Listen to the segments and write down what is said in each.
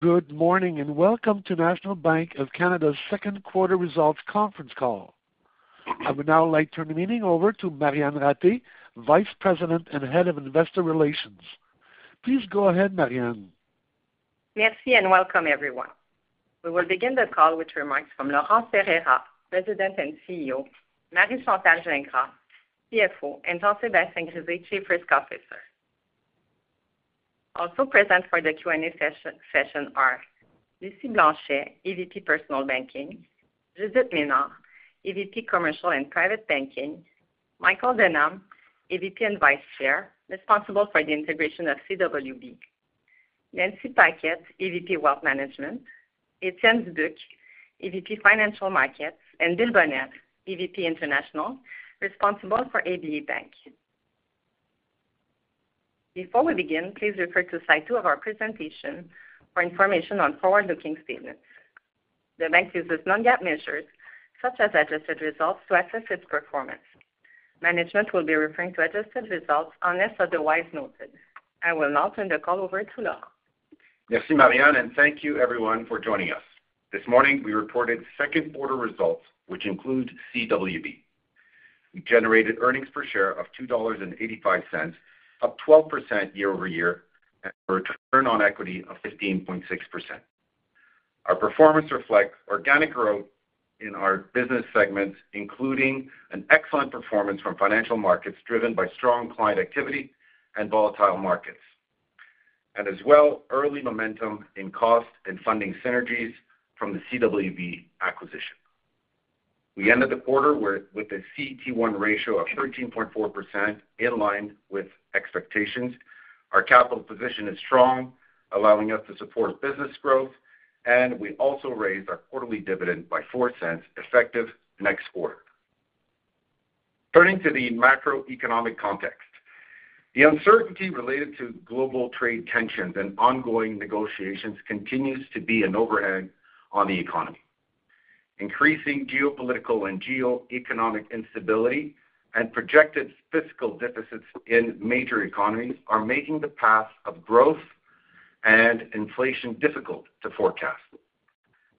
Good morning and welcome to National Bank of Canada's second quarter results conference call. I would now like to turn the meeting over to Marianne Ratté, Vice President and Head of Investor Relations. Please go ahead, Marianne. Merci and welcome everyone. We will begin the call with remarks from Laurent Ferreira, President and CEO; Marie Chantal Gingras, CFO; and Jean-Sébastien Grisé, Chief Risk Officer. Also present for the Q&A session are Lucie Blanchet, EVP Personal Banking; Judith Ménard, EVP Commercial and Private Banking; Michael Denham, EVP and Vice Chair, responsible for the integration of CWB; Nancy Paquet, EVP Wealth Management; Étienne Dubuc, EVP Financial Markets; and Bill Bonnell, EVP International, responsible for ABA Bank. Before we begin, please refer to slide 2 of our presentation for information on forward-looking statements. The bank uses non-GAAP measures such as adjusted results to assess its performance. Management will be referring to adjusted results unless otherwise noted. I will now turn the call over to Laurent. Merci Marianne and thank you everyone for joining us. This morning we reported second quarter results which include CWB. We generated earnings per share of 2.85 dollars, up 12% year-over-year, and a return on equity of 15.6%. Our performance reflects organic growth in our business segments including an excellent performance from Financial Markets driven by strong client activity and volatile markets, and as well early momentum in cost and funding synergies from the CWB acquisition. We ended the quarter with a CET1 ratio of 13.4% in line with expectations. Our capital position is strong, allowing us to support business growth, and we also raised our quarterly dividend by 0.04 effective next quarter. Turning to the macroeconomic context, the uncertainty related to global trade tensions and ongoing negotiations continues to be an overhead on the economy. Increasing geopolitical and geoeconomic instability and projected fiscal deficits in major economies are making the path of growth and inflation difficult to forecast.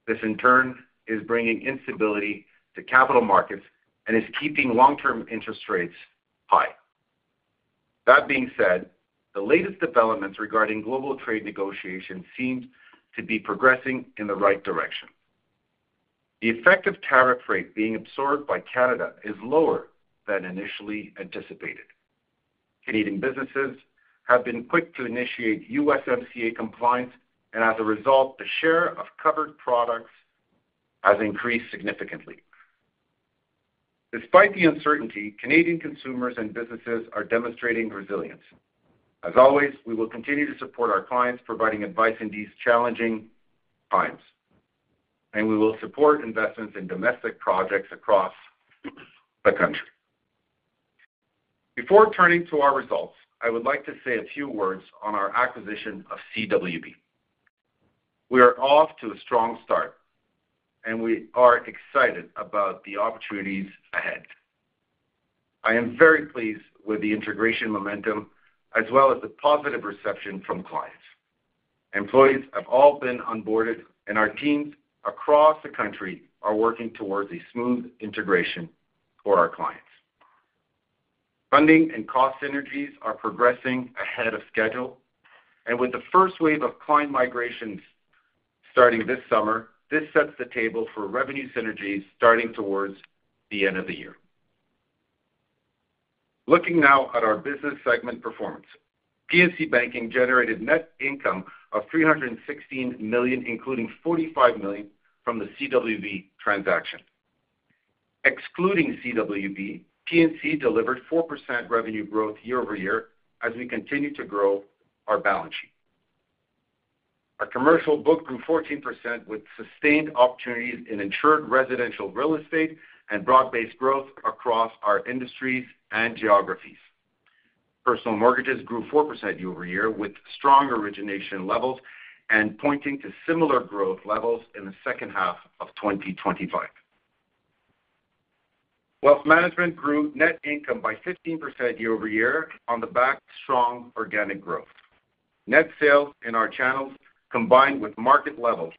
This in turn is bringing instability to capital markets and is keeping long-term interest rates high. That being said, the latest developments regarding global trade negotiations seem to be progressing in the right direction. The effective tariff rate being absorbed by Canada is lower than initially anticipated. Canadian businesses have been quick to initiate USMCA compliance, and as a result, the share of covered products has increased significantly. Despite the uncertainty, Canadian consumers and businesses are demonstrating resilience. As always, we will continue to support our clients providing advice in these challenging times, and we will support investments in domestic projects across the country. Before turning to our results, I would like to say a few words on our acquisition of CWB. We are off to a strong start, and we are excited about the opportunities ahead. I am very pleased with the integration momentum as well as the positive reception from clients. Employees have all been onboarded, and our teams across the country are working towards a smooth integration for our clients. Funding and cost synergies are progressing ahead of schedule, and with the first wave of client migrations starting this summer, this sets the table for revenue synergies starting towards the end of the year. Looking now at our business segment performance, Personal Banking and Commercial Banking generated net income of 316 million, including 45 million from the Canadian Western Bank transaction. Excluding Canadian Western Bank, Personal Banking and Commercial Banking delivered 4% revenue growth year-over-year as we continue to grow our balance sheet. Our commercial book grew 14% with sustained opportunities in insured residential real estate and broad-based growth across our industries and geographies. Personal mortgages grew 4% year-over-year with strong origination levels and pointing to similar growth levels in the second half of 2025. Wealth management grew net income by 15% year-over-year on the back of strong organic growth. Net sales in our channels, combined with market levels,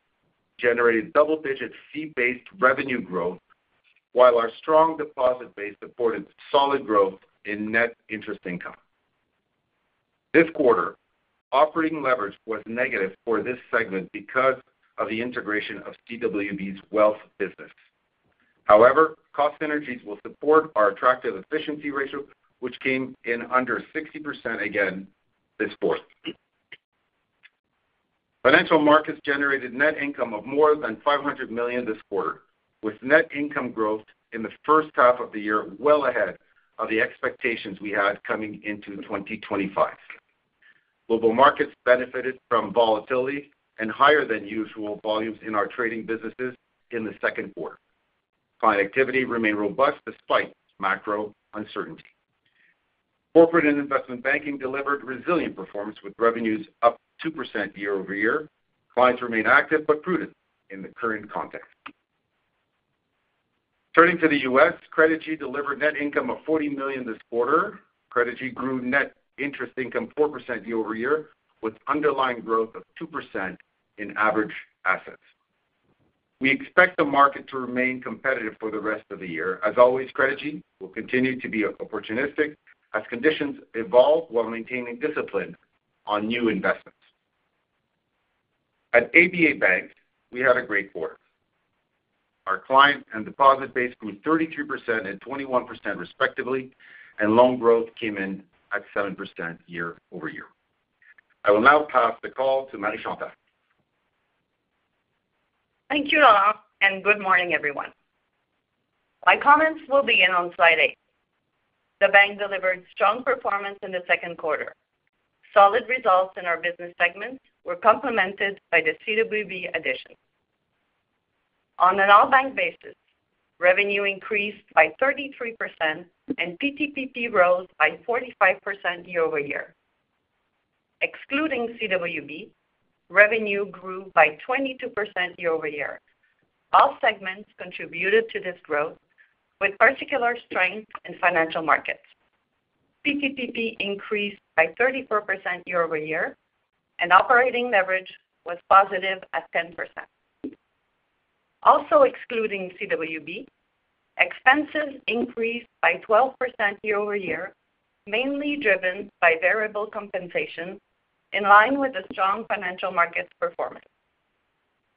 generated double-digit fee-based revenue growth, while our strong deposit base supported solid growth in net interest income. This quarter, operating leverage was negative for this segment because of the integration of CWB's wealth business. However, cost synergies will support our attractive efficiency ratio, which came in under 60% again this quarter. Financial markets generated net income of more than 500 million this quarter, with net income growth in the first half of the year well ahead of the expectations we had coming into 2025. Global markets benefited from volatility and higher-than-usual volumes in our trading businesses in the second quarter. Client activity remained robust despite macro uncertainty. Corporate and investment banking delivered resilient performance with revenues up 2% year-over-year. Clients remain active but prudent in the current context. Turning to the U.S., Credigy delivered net income of $40 million this quarter. Credigy grew net interest income 4% year-over-year, with underlying growth of 2% in average assets. We expect the market to remain competitive for the rest of the year. As always, Credigy will continue to be opportunistic as conditions evolve while maintaining discipline on new investments. At ABA Bank, we had a great quarter. Our client and deposit base grew 33% and 21% respectively, and loan growth came in at 7% year-over-year. I will now pass the call to Marie Chantal. Thank you Laurent and good morning everyone. My comments will begin on slide 8. The bank delivered strong performance in the second quarter. Solid results in our business segments were complemented by the CWB addition. On an all-bank basis, revenue increased by 33% and PTPP rose by 45% year-over-year. Excluding CWB, revenue grew by 22% year-over-year. All segments contributed to this growth with particular strength in financial markets. PTPP increased by 34% year-over-year, and operating leverage was positive at 10%. Also excluding CWB, expenses increased by 12% year-over-year, mainly driven by variable compensation in line with the strong financial markets performance.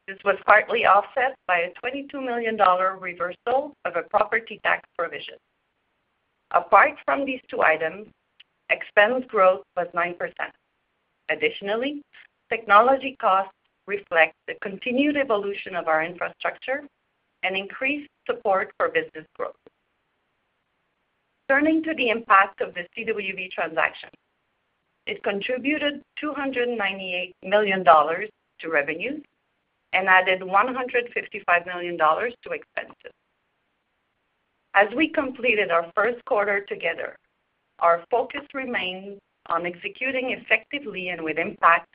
This was partly offset by a 22 million dollar reversal of a property tax provision. Apart from these two items, expense growth was 9%. Additionally, technology costs reflect the continued evolution of our infrastructure and increased support for business growth. Turning to the impact of the CWB transaction, it contributed 298 million dollars to revenues and added 155 million dollars to expenses. As we completed our first quarter together, our focus remains on executing effectively and with impact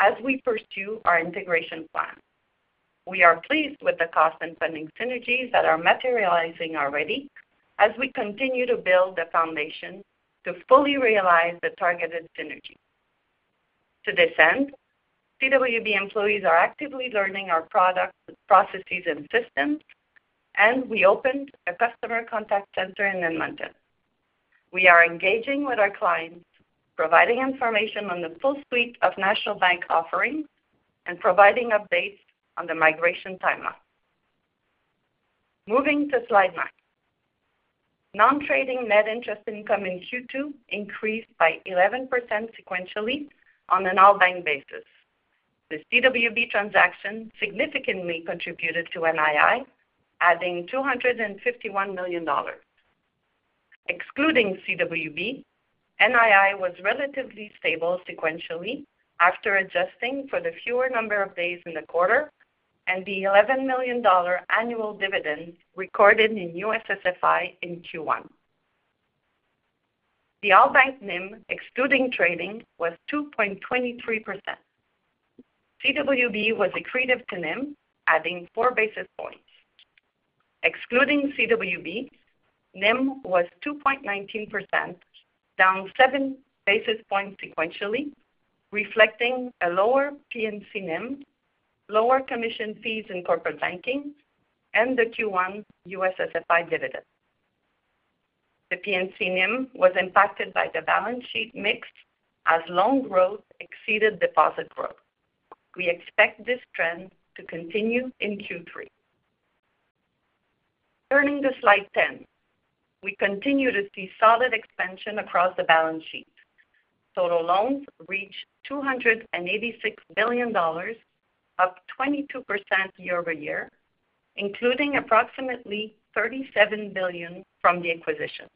as we pursue our integration plan. We are pleased with the cost and funding synergies that are materializing already as we continue to build the foundation to fully realize the targeted synergy. To this end, CWB employees are actively learning our product processes and systems, and we opened a customer contact center in Edmonton. We are engaging with our clients, providing information on the full suite of National Bank offerings, and providing updates on the migration timeline. Moving to slide 9. Non-trading net interest income in Q2 increased by 11% sequentially on an all-bank basis. The CWB transaction significantly contributed to NII, adding 251 million dollars. Excluding CWB, NII was relatively stable sequentially after adjusting for the fewer number of days in the quarter and the 11 million dollar annual dividend recorded in USSFI in Q1. The all-bank NIM excluding trading was 2.23%. CWB was accretive to NIM, adding 4 basis points. Excluding CWB, NIM was 2.19%, down 7 basis points sequentially, reflecting a lower PNC NIM, lower commission fees in corporate banking, and the Q1 USSFI dividend. The PNC NIM was impacted by the balance sheet mix as loan growth exceeded deposit growth. We expect this trend to continue in Q3. Turning to slide 10, we continue to see solid expansion across the balance sheet. Total loans reached 286 billion dollars, up 22% year-over-year, including approximately 37 billion from the acquisition.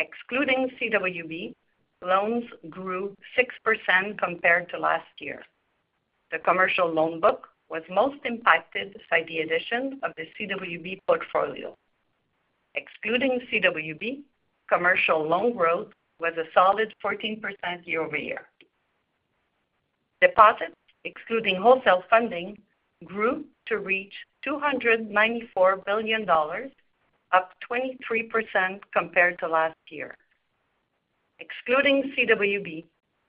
Excluding CWB, loans grew 6% compared to last year. The commercial loan book was most impacted by the addition of the CWB portfolio. Excluding CWB, commercial loan growth was a solid 14% year-over-year. Deposits, excluding wholesale funding, grew to reach 294 billion dollars, up 23% compared to last year. Excluding CWB,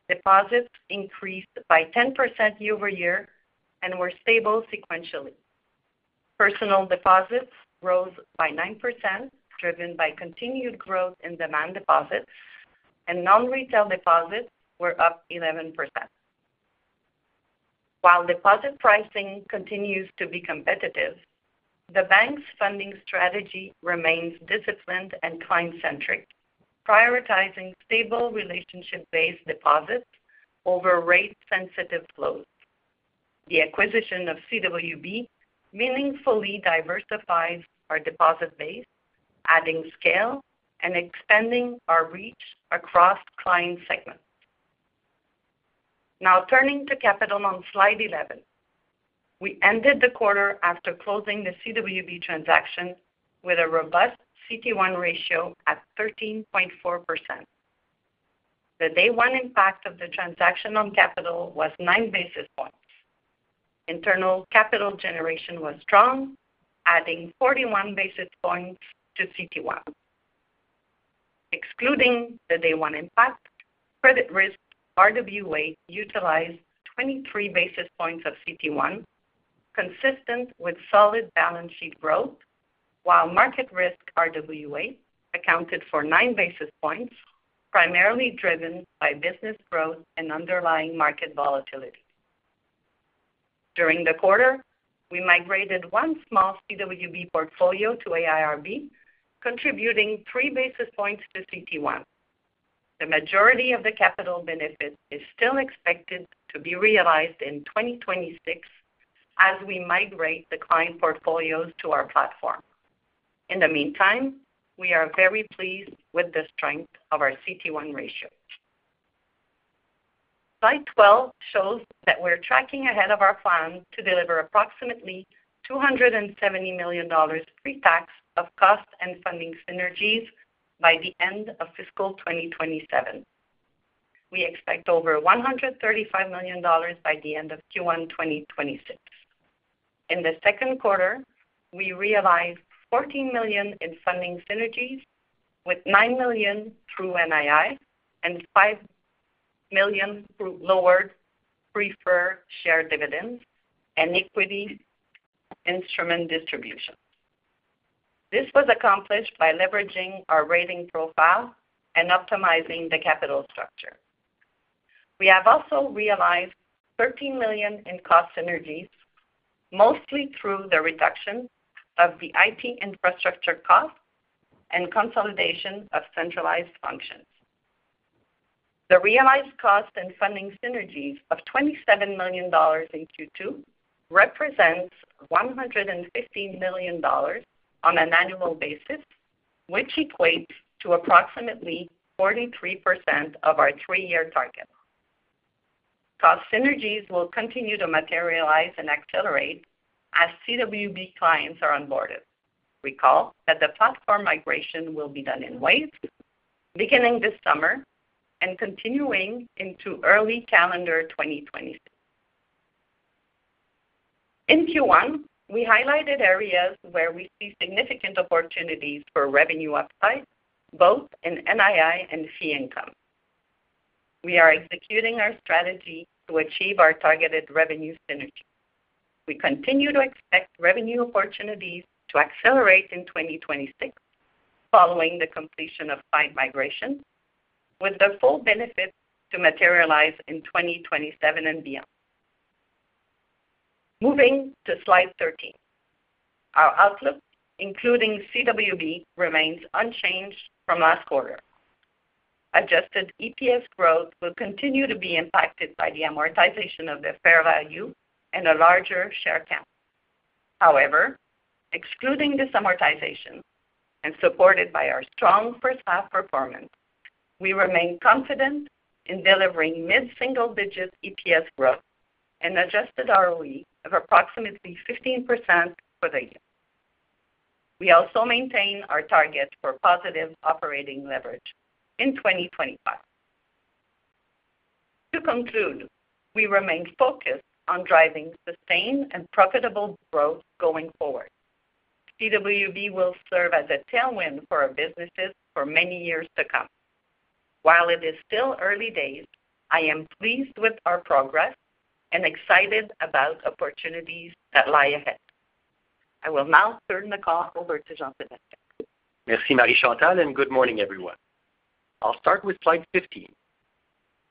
deposits increased by 10% year-over-year and were stable sequentially. Personal deposits rose by 9%, driven by continued growth in demand deposits, and non-retail deposits were up 11%. While deposit pricing continues to be competitive, the bank's funding strategy remains disciplined and client-centric, prioritizing stable relationship-based deposits over rate-sensitive flows. The acquisition of CWB meaningfully diversifies our deposit base, adding scale and expanding our reach across client segments. Now turning to capital on slide 11, we ended the quarter after closing the CWB transaction with a robust CET1 ratio at 13.4%. The day-one impact of the transaction on capital was 9 basis points. Internal capital generation was strong, adding 41 basis points to CET1. Excluding the day-one impact, credit risk RWA utilized 23 basis points of CET1, consistent with solid balance sheet growth, while market risk RWA accounted for 9 basis points, primarily driven by business growth and underlying market volatility. During the quarter, we migrated one small CWB portfolio to AIRB, contributing 3 basis points to CET1. The majority of the capital benefit is still expected to be realized in 2026 as we migrate the client portfolios to our platform. In the meantime, we are very pleased with the strength of our CET1 ratio. Slide 12 shows that we're tracking ahead of our plan to deliver approximately 270 million dollars pre-tax of cost and funding synergies by the end of fiscal 2027. We expect over 135 million dollars by the end of Q1 2026. In the second quarter, we realized 14 million in funding synergies, with 9 million through NII and 5 million through lowered preferred share dividends and equity instrument distributions. This was accomplished by leveraging our rating profile and optimizing the capital structure. We have also realized 13 million in cost synergies, mostly through the reduction of the IT infrastructure costs and consolidation of centralized functions. The realized cost and funding synergies of 27 million dollars in Q2 represent 115 million dollars on an annual basis, which equates to approximately 43% of our three-year target. Cost synergies will continue to materialize and accelerate as CWB clients are onboarded. Recall that the platform migration will be done in waves, beginning this summer and continuing into early calendar 2026. In Q1, we highlighted areas where we see significant opportunities for revenue upside, both in NII and fee income. We are executing our strategy to achieve our targeted revenue synergy. We continue to expect revenue opportunities to accelerate in 2026 following the completion of five migrations, with the full benefits to materialize in 2027 and beyond. Moving to slide 13, our outlook, including CWB, remains unchanged from last quarter. Adjusted EPS growth will continue to be impacted by the amortization of the fair value and a larger share count. However, excluding this amortization and supported by our strong first-half performance, we remain confident in delivering mid-single-digit EPS growth and adjusted ROE of approximately 15% for the year. We also maintain our target for positive operating leverage in 2025. To conclude, we remain focused on driving sustained and profitable growth going forward. CWB will serve as a tailwind for our businesses for many years to come. While it is still early days, I am pleased with our progress and excited about opportunities that lie ahead. I will now turn the call over to Jean-Sébastien. Merci, Marie Chantal, and good morning, everyone. I'll start with slide 15.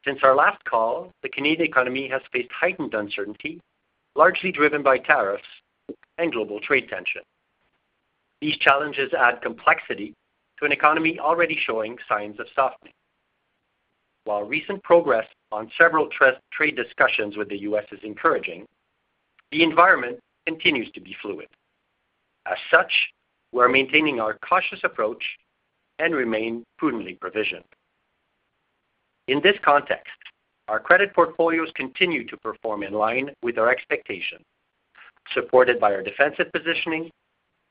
Since our last call, the Canadian economy has faced heightened uncertainty, largely driven by tariffs and global trade tension. These challenges add complexity to an economy already showing signs of softening. While recent progress on several trade discussions with the U.S. is encouraging, the environment continues to be fluid. As such, we are maintaining our cautious approach and remain prudently provisioned. In this context, our credit portfolios continue to perform in line with our expectations, supported by our defensive positioning,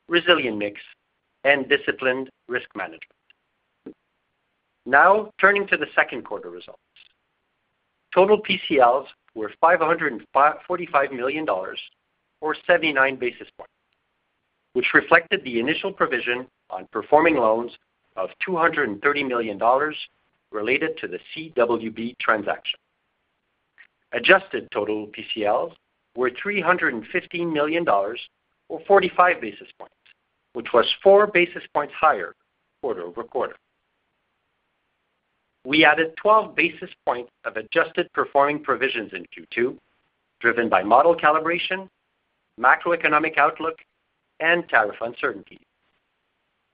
resilient mix, and disciplined risk management. Now turning to the second quarter results, total PCLs were 545 million dollars, or 79 basis points, which reflected the initial provision on performing loans of 230 million dollars related to the CWB transaction. Adjusted total PCLs were 315 million dollars, or 45 basis points, which was 4 basis points higher quarter over quarter. We added 12 basis points of adjusted performing provisions in Q2, driven by model calibration, macroeconomic outlook, and tariff uncertainty.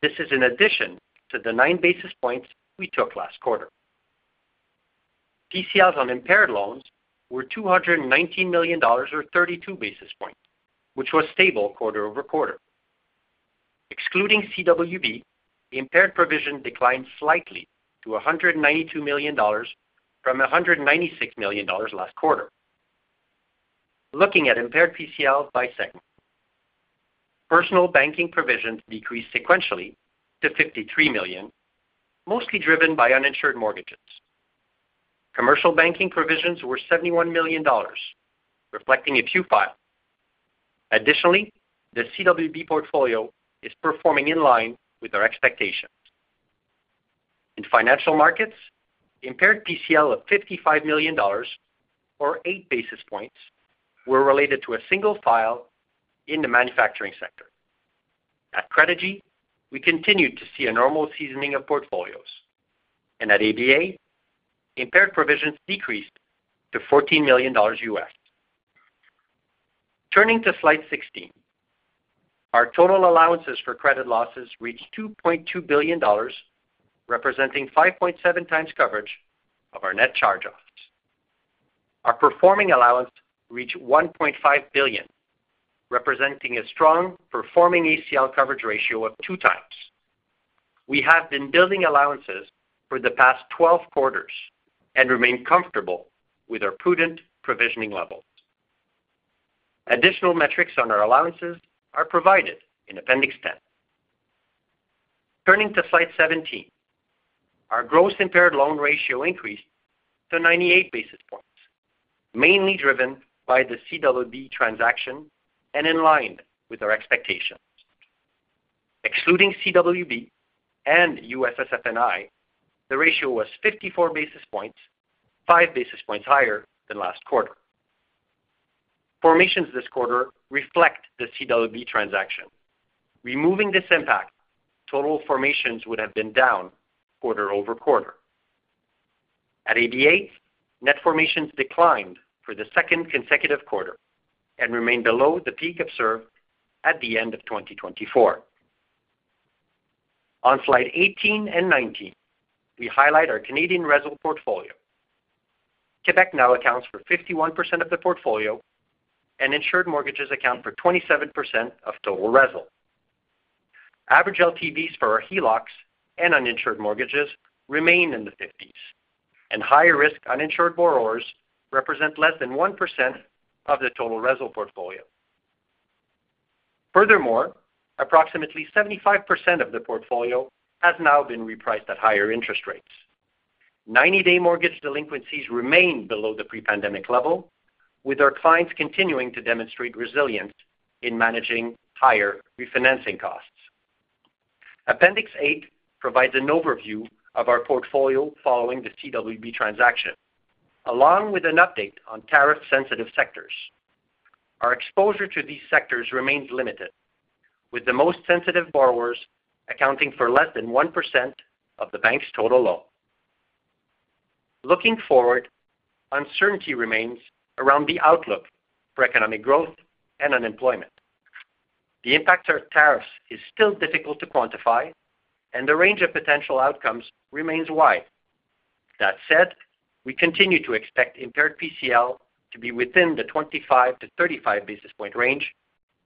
This is in addition to the 9 basis points we took last quarter. PCLs on impaired loans were $219 million, or 32 basis points, which was stable quarter over quarter. Excluding CWB, the impaired provision declined slightly to $192 million from $196 million last quarter. Looking at impaired PCLs by segment, personal banking provisions decreased sequentially to $53 million, mostly driven by uninsured mortgages. Commercial banking provisions were $71 million, reflecting a Q file. Additionally, the CWB portfolio is performing in line with our expectations. In financial markets, the impaired PCL of $55 million, or 8 basis points, was related to a single file in the manufacturing sector. At Credigy, we continued to see a normal seasoning of portfolios. At ABA, impaired provisions decreased to $14 million US. Turning to slide 16, our total allowances for credit losses reached 2.2 billion dollars, representing 5.7x coverage of our net charge-offs. Our performing allowance reached 1.5 billion, representing a strong performing ACL coverage ratio of 2x. We have been building allowances for the past 12 quarters and remain comfortable with our prudent provisioning levels. Additional metrics on our allowances are provided in Appendix 10. Turning to slide 17, our gross impaired loan ratio increased to 98 basis points, mainly driven by the CWB transaction and in line with our expectations. Excluding CWB and USSFNI, the ratio was 54 basis points, 5 basis points higher than last quarter. Formations this quarter reflect the CWB transaction. Removing this impact, total formations would have been down quarter over quarter. At ABA, net formations declined for the second consecutive quarter and remained below the peak observed at the end of 2024. On slide 18 and 19, we highlight our Canadian RESL portfolio. Quebec now accounts for 51% of the portfolio, and insured mortgages account for 27% of total RESL. Average LTVs for our HELOCs and uninsured mortgages remain in the 50s, and high-risk uninsured borrowers represent less than 1% of the total RESL portfolio. Furthermore, approximately 75% of the portfolio has now been repriced at higher interest rates. 90-day mortgage delinquencies remain below the pre-pandemic level, with our clients continuing to demonstrate resilience in managing higher refinancing costs. Appendix 8 provides an overview of our portfolio following the CWB transaction, along with an update on tariff-sensitive sectors. Our exposure to these sectors remains limited, with the most sensitive borrowers accounting for less than 1% of the bank's total loan. Looking forward, uncertainty remains around the outlook for economic growth and unemployment. The impact of tariffs is still difficult to quantify, and the range of potential outcomes remains wide. That said, we continue to expect impaired PCL to be within the 25-35 basis point range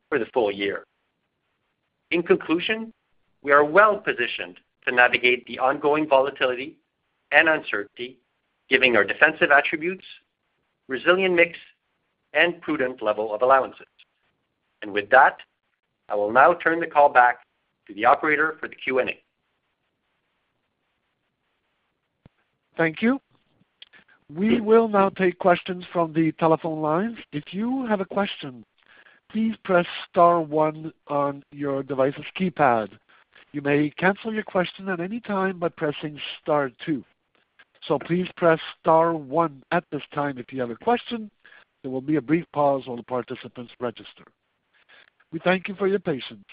for the full year. In conclusion, we are well positioned to navigate the ongoing volatility and uncertainty, given our defensive attributes, resilient mix, and prudent level of allowances. I will now turn the call back to the operator for the Q&A. Thank you. We will now take questions from the telephone lines. If you have a question, please press star one on your device's keypad. You may cancel your question at any time by pressing star two. Please press star one at this time if you have a question. There will be a brief pause while the participants register. We thank you for your patience.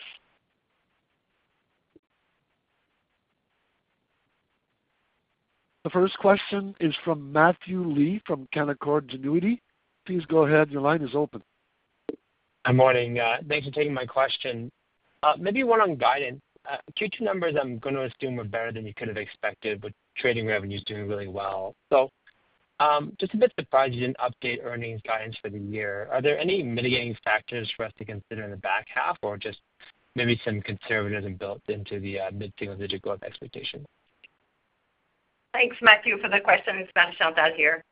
The first question is from Matthew Lee from Canaccord Genuity. Please go ahead. Your line is open. Good morning. Thanks for taking my question. Maybe one on guidance. Q2 numbers I'm going to assume were better than you could have expected, with trading revenues doing really well. Just a bit surprised you didn't update earnings guidance for the year. Are there any mitigating factors for us to consider in the back half, or just maybe some conservatism built into the mid-single-digit growth expectation? Thanks, Matthew, for the question. It's Marie Chantal here.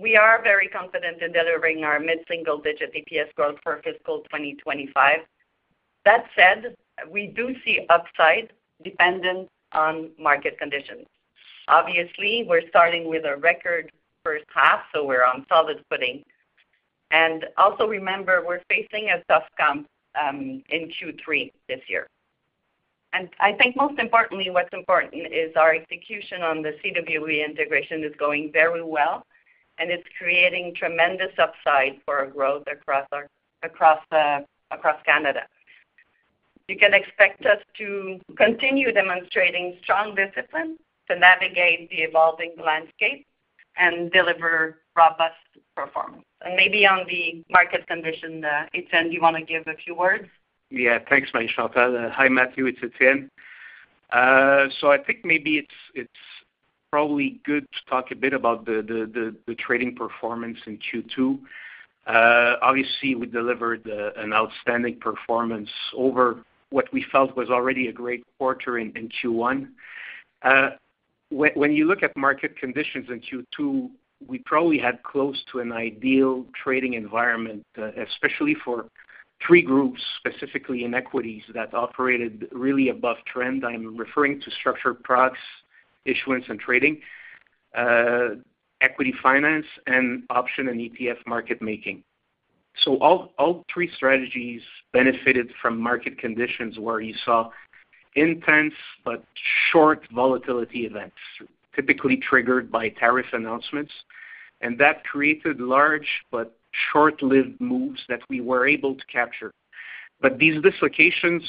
We are very confident in delivering our mid-single-digit EPS growth for fiscal 2025. That said, we do see upside dependent on market conditions. Obviously, we're starting with a record first half, so we're on solid footing. Also, remember, we're facing a tough comp in Q3 this year. I think most importantly, what's important is our execution on the CWB integration is going very well, and it's creating tremendous upside for our growth across Canada. You can expect us to continue demonstrating strong discipline to navigate the evolving landscape and deliver robust performance. Maybe on the market condition, Ethan, do you want to give a few words? Yeah. Thanks, Marie Chantal. Hi, Matthew. It's Étienne. I think maybe it's probably good to talk a bit about the trading performance in Q2. Obviously, we delivered an outstanding performance over what we felt was already a great quarter in Q1. When you look at market conditions in Q2, we probably had close to an ideal trading environment, especially for three groups, specifically in equities, that operated really above trend. I'm referring to structured products, issuance and trading, equity finance, and option and ETF market making. All three strategies benefited from market conditions where you saw intense but short volatility events, typically triggered by tariff announcements. That created large but short-lived moves that we were able to capture. These dislocations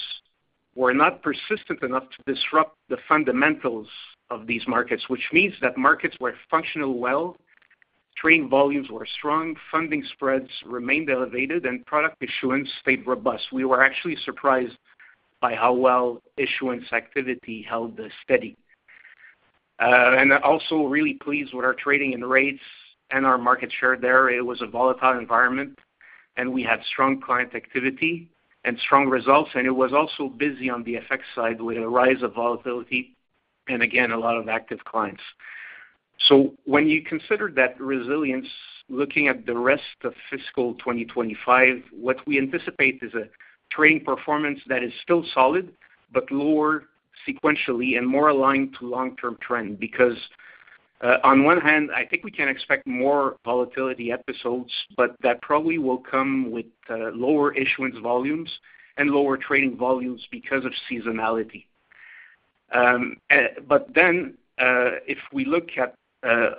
were not persistent enough to disrupt the fundamentals of these markets, which means that markets were functioning well, trade volumes were strong, funding spreads remained elevated, and product issuance stayed robust. We were actually surprised by how well issuance activity held steady. We were also really pleased with our trading and rates and our market share there. It was a volatile environment, and we had strong client activity and strong results. It was also busy on the FX side with a rise of volatility and, again, a lot of active clients. When you consider that resilience, looking at the rest of fiscal 2025, what we anticipate is a trading performance that is still solid but lower sequentially and more aligned to long-term trend. Because on one hand, I think we can expect more volatility episodes, but that probably will come with lower issuance volumes and lower trading volumes because of seasonality. If we look at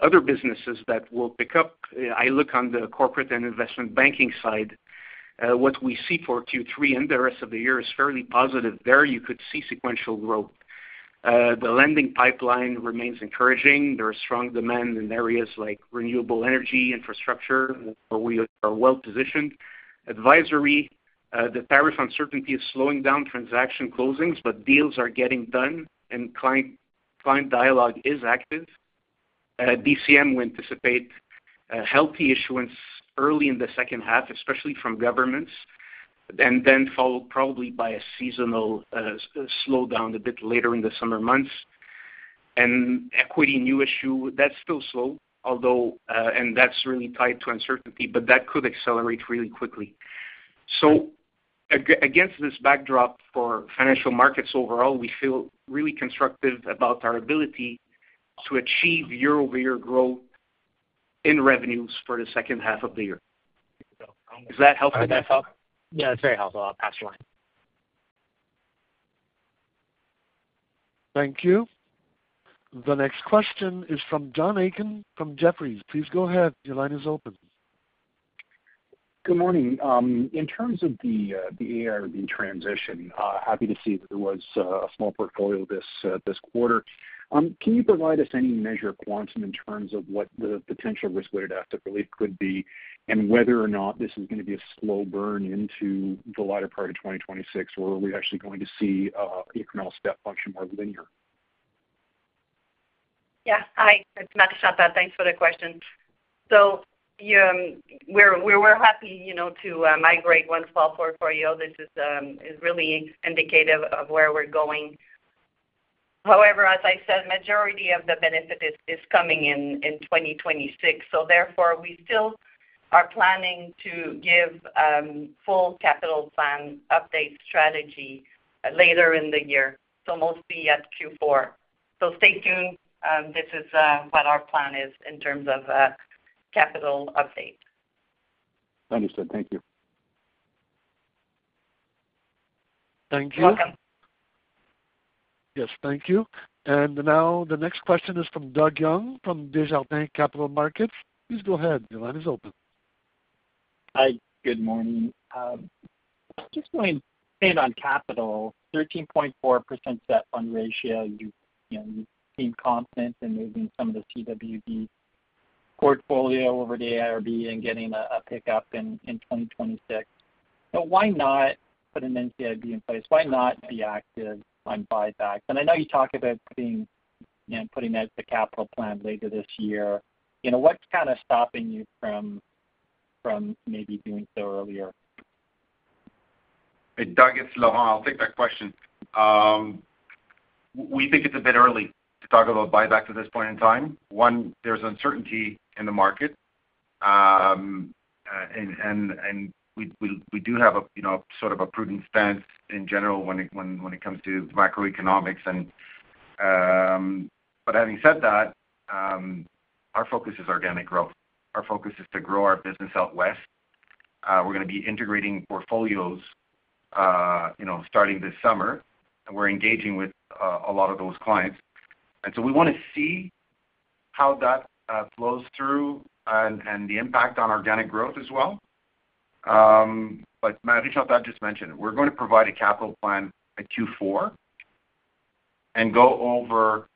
other businesses that will pick up, I look on the corporate and investment banking side, what we see for Q3 and the rest of the year is fairly positive. There you could see sequential growth. The lending pipeline remains encouraging. There is strong demand in areas like renewable energy infrastructure, where we are well positioned. Advisory, the tariff uncertainty is slowing down transaction closings, but deals are getting done, and client dialogue is active. DCM, we anticipate healthy issuance early in the second half, especially from governments, and then followed probably by a seasonal slowdown a bit later in the summer months. Equity, new issue, that's still slow, although, and that's really tied to uncertainty, but that could accelerate really quickly. Against this backdrop for financial markets overall, we feel really constructive about our ability to achieve year-over-year growth in revenues for the second half of the year. Is that helpful? Yeah, that's very helpful. I'll pass the line. Thank you. The next question is from John Aiken from Jefferies. Please go ahead. Your line is open. Good morning. In terms of the AIRB transition, happy to see that there was a small portfolio this quarter. Can you provide us any measure of quantum in terms of what the potential risk-weighted asset relief could be and whether or not this is going to be a slow burn into the latter part of 2026, or are we actually going to see incremental step function more linear? Yes. Hi, it's Marie Chantal. Thanks for the question. We were happy to migrate one small portfolio. This is really indicative of where we're going. However, as I said, the majority of the benefit is coming in 2026. Therefore, we still are planning to give full capital plan update strategy later in the year, mostly at Q4. Stay tuned. This is what our plan is in terms of capital update. Understood. Thank you. Thank you. You're welcome. Yes, thank you. The next question is from Doug Young from Desjardins Capital Markets. Please go ahead. Your line is open. Hi, good morning. Just going to expand on capital, 13.4% CET1 ratio, you've seen confidence in moving some of the CWB portfolio over to AIRB and getting a pickup in 2026. Why not put an NCIB in place? Why not be active on buybacks? I know you talked about putting that as a capital plan later this year. What is kind of stopping you from maybe doing so earlier? Hey, Doug, it's Laurent. I'll take that question. We think it's a bit early to talk about buybacks at this point in time. One, there's uncertainty in the market, and we do have a sort of a prudent stance in general when it comes to macroeconomics. Having said that, our focus is organic growth. Our focus is to grow our business out west. We're going to be integrating portfolios starting this summer, and we're engaging with a lot of those clients. We want to see how that flows through and the impact on organic growth as well. Marie Chantal just mentioned, we're going to provide a capital plan at Q4 and go over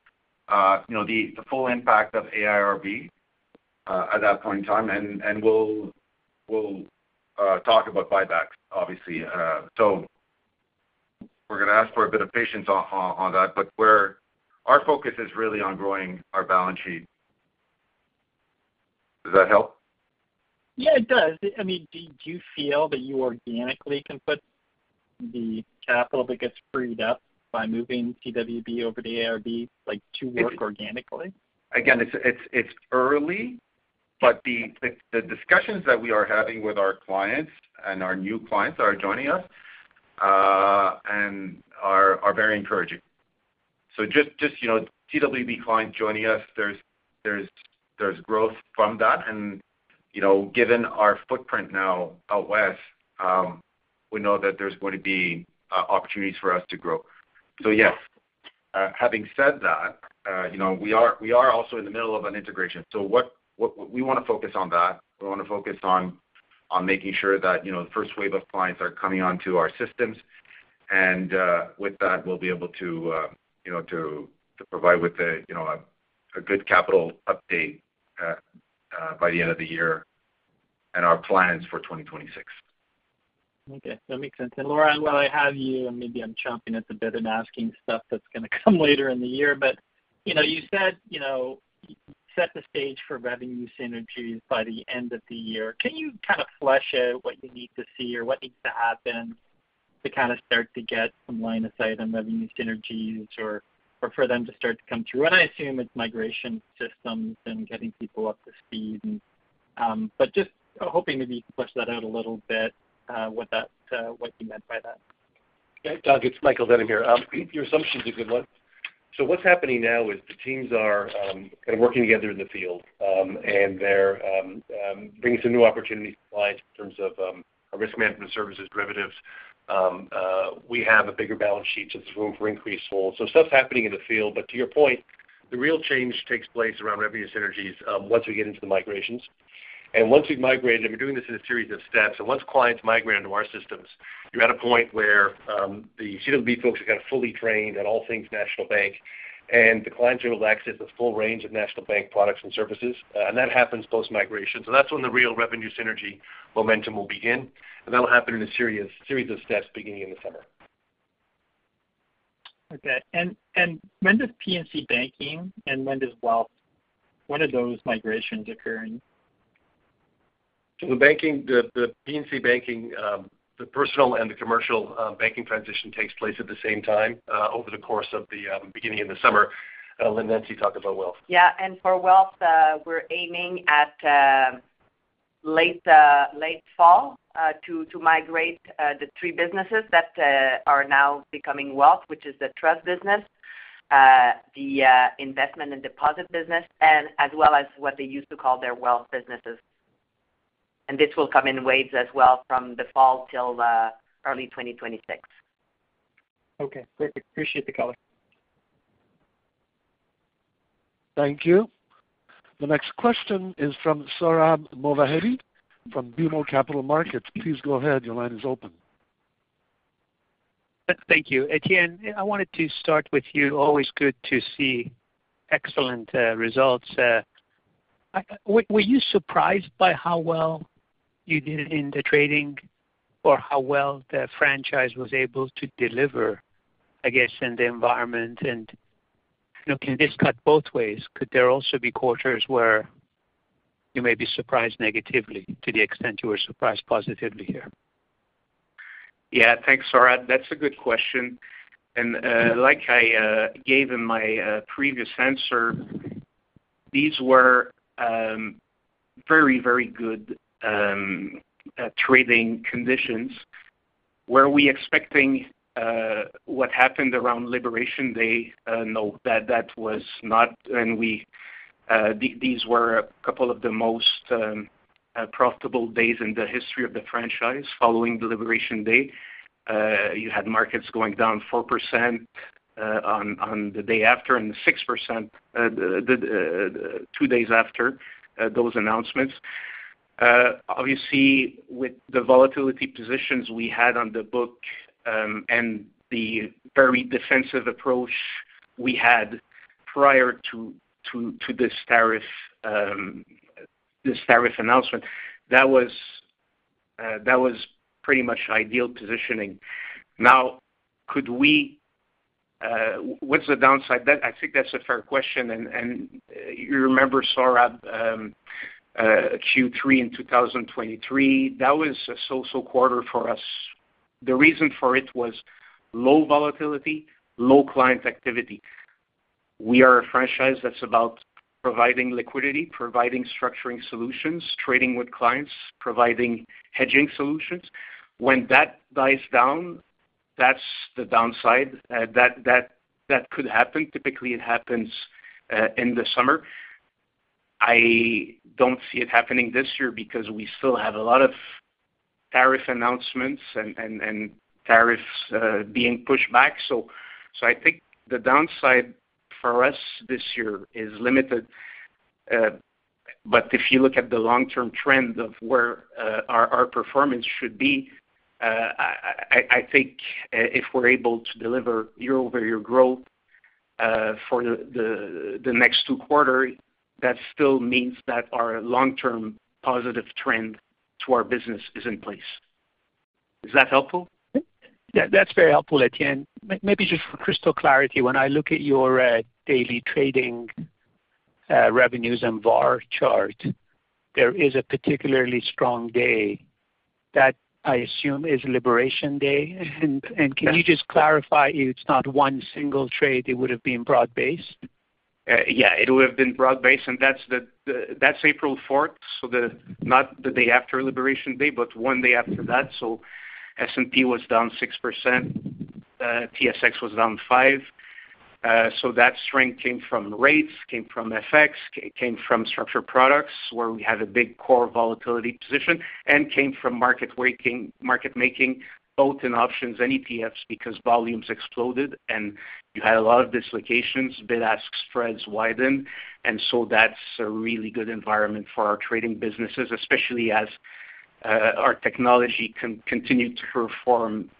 the full impact of AIRB at that point in time. We'll talk about buybacks, obviously. We're going to ask for a bit of patience on that, but our focus is really on growing our balance sheet. Does that help? Yeah, it does. I mean, do you feel that you organically can put the capital that gets freed up by moving CWB over to AIRB to work organically? Again, it's early, but the discussions that we are having with our clients and our new clients that are joining us are very encouraging. Just CWB clients joining us, there's growth from that. Given our footprint now out west, we know that there's going to be opportunities for us to grow. Yes, having said that, we are also in the middle of an integration. We want to focus on that. We want to focus on making sure that the first wave of clients are coming onto our systems. With that, we'll be able to provide a good capital update by the end of the year and our plans for 2026. Okay. That makes sense. Laurent, while I have you, maybe I am chomping at the bit and asking stuff that is going to come later in the year, but you said set the stage for revenue synergies by the end of the year. Can you kind of flesh out what you need to see or what needs to happen to kind of start to get some line of sight on revenue synergies or for them to start to come through? I assume it is migration systems and getting people up to speed. Just hoping maybe you can flesh that out a little bit, what you meant by that. Hey, Doug, it's Michael Denham here. Your assumption is a good one. What's happening now is the teams are kind of working together in the field, and they're bringing some new opportunities to clients in terms of risk management services, derivatives. We have a bigger balance sheet, so there's room for increased holds. Stuff's happening in the field. To your point, the real change takes place around revenue synergies once we get into the migrations. Once we've migrated, and we're doing this in a series of steps, and once clients migrate into our systems, you're at a point where the CWB folks are kind of fully trained at all things National Bank, and the clients are able to access the full range of National Bank products and services. That happens post-migration. That's when the real revenue synergy momentum will begin. That'll happen in a series of steps beginning in the summer. Okay. When does PNC banking and when does wealth, when are those migrations occurring? The PNC banking, the personal and the commercial banking transition takes place at the same time over the course of the beginning of the summer. Nancy talked about wealth. Yeah. For wealth, we're aiming at late fall to migrate the three businesses that are now becoming wealth, which is the trust business, the investment and deposit business, and as well as what they used to call their wealth businesses. This will come in waves as well from the fall till early 2026. Okay. Perfect. Appreciate the color. Thank you. The next question is from Sohrab Movahedi from BMO Capital Markets. Please go ahead. Your line is open. Thank you. Étienne, I wanted to start with you. Always good to see excellent results. Were you surprised by how well you did in the trading or how well the franchise was able to deliver, I guess, in the environment? Can this cut both ways? Could there also be quarters where you may be surprised negatively to the extent you were surprised positively here? Yeah. Thanks, Sohrab. That's a good question. Like I gave in my previous answer, these were very, very good trading conditions. Were we expecting what happened around Liberation Day? No, that was not. These were a couple of the most profitable days in the history of the franchise following Liberation Day. You had markets going down 4% on the day after and 6% two days after those announcements. Obviously, with the volatility positions we had on the book and the very defensive approach we had prior to this tariff announcement, that was pretty much ideal positioning. Now, what's the downside? I think that's a fair question. You remember, Sohrab, Q3 in 2023? That was a so-so quarter for us. The reason for it was low volatility, low client activity. We are a franchise that's about providing liquidity, providing structuring solutions, trading with clients, providing hedging solutions. When that dies down, that's the downside. That could happen. Typically, it happens in the summer. I do not see it happening this year because we still have a lot of tariff announcements and tariffs being pushed back. I think the downside for us this year is limited. If you look at the long-term trend of where our performance should be, I think if we are able to deliver year-over-year growth for the next two quarters, that still means that our long-term positive trend to our business is in place. Is that helpful? Yeah, that's very helpful, Étienne. Maybe just for crystal clarity, when I look at your daily trading revenues and VAR chart, there is a particularly strong day that I assume is Liberation Day. Can you just clarify if it's not one single trade that would have been broad-based? Yeah, it would have been broad-based. That is April 4th, so not the day after Liberation Day, but one day after that. S&P was down 6%. TSX was down 5%. That strength came from rates, came from FX, came from structured products where we had a big core volatility position, and came from market-making both in options and ETFs because volumes exploded and you had a lot of dislocations, bid-ask spreads widened. That is a really good environment for our trading businesses, especially as our technology continued to perform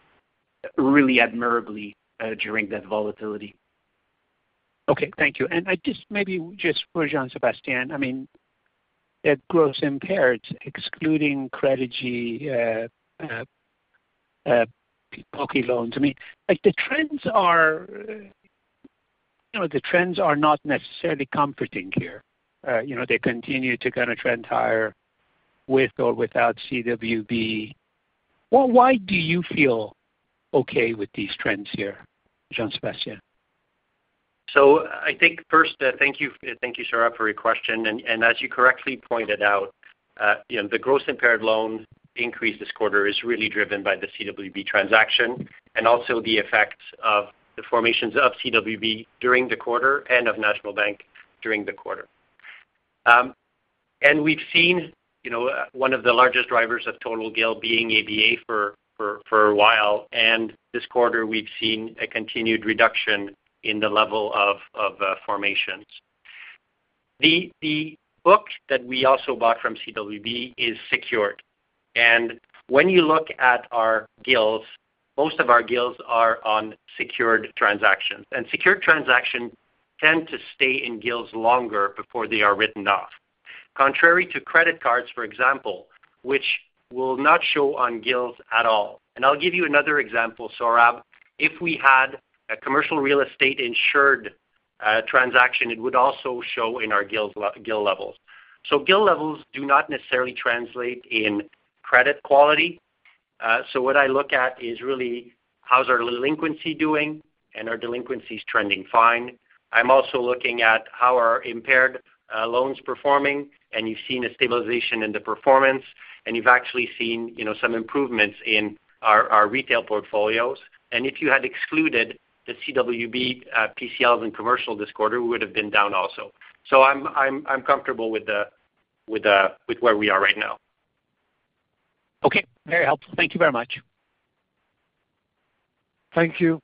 really admirably during that volatility. Okay. Thank you. Just maybe just for Jean-Sébastien, I mean, at gross impaired, excluding Credigy, PCL loans, I mean, the trends are not necessarily comforting here. They continue to kind of trend higher with or without CWB. Why do you feel okay with these trends here, Jean-Sébastien? Thank you, Sohrab, for your question. As you correctly pointed out, the gross impaired loan increase this quarter is really driven by the CWB transaction and also the effects of the formations of CWB during the quarter and of National Bank during the quarter. We have seen one of the largest drivers of total GIL being ABA for a while. This quarter, we have seen a continued reduction in the level of formations. The book that we also bought from CWB is secured. When you look at our GILs, most of our GILs are on secured transactions. Secured transactions tend to stay in GILs longer before they are written off, contrary to credit cards, for example, which will not show on GILs at all. I will give you another example, Sohrab. If we had a commercial real estate insured transaction, it would also show in our GIL levels. GIL levels do not necessarily translate in credit quality. What I look at is really how's our delinquency doing, and our delinquency is trending fine. I'm also looking at how are impaired loans performing, and you've seen a stabilization in the performance, and you've actually seen some improvements in our retail portfolios. If you had excluded the CWB PCLs and commercial this quarter, we would have been down also. I'm comfortable with where we are right now. Okay. Very helpful. Thank you very much. Thank you.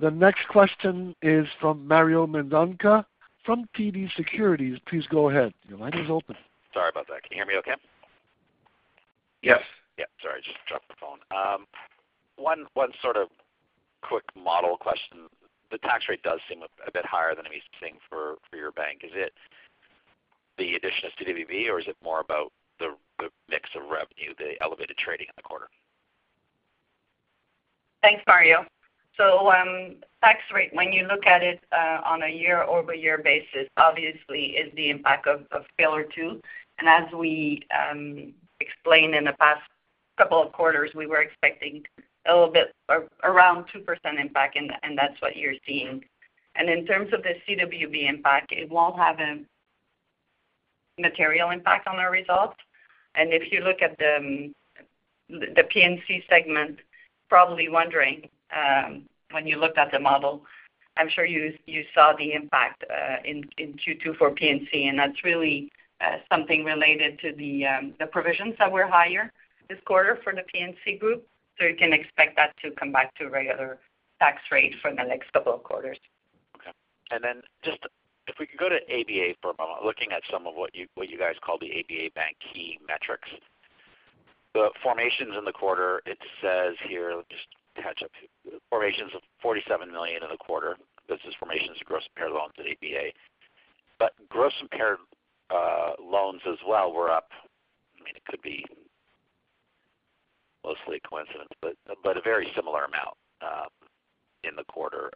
The next question is from Mario Mendonca from TD Securities. Please go ahead. Your line is open. Sorry about that. Can you hear me okay? Yes. Yeah. Sorry. I just dropped the phone. One sort of quick model question. The tax rate does seem a bit higher than it used to seem for your bank. Is it the addition of CWB, or is it more about the mix of revenue, the elevated trading in the quarter? Thanks, Mario. Tax rate, when you look at it on a year-over-year basis, obviously, is the impact of pillar two. As we explained in the past couple of quarters, we were expecting a little bit around 2% impact, and that's what you're seeing. In terms of the CWB impact, it will not have a material impact on our results. If you look at the PNC segment, probably wondering when you looked at the model, I'm sure you saw the impact in Q2 for PNC, and that's really something related to the provisions that were higher this quarter for the PNC group. You can expect that to come back to a regular tax rate for the next couple of quarters. Okay. If we could go to ABA for a moment, looking at some of what you guys call the ABA Bank key metrics. The formations in the quarter, it says here, let me just catch up here. Formations of $47 million in the quarter. This is formations of gross impaired loans at ABA. Gross impaired loans as well were up. I mean, it could be mostly a coincidence, but a very similar amount in the quarter.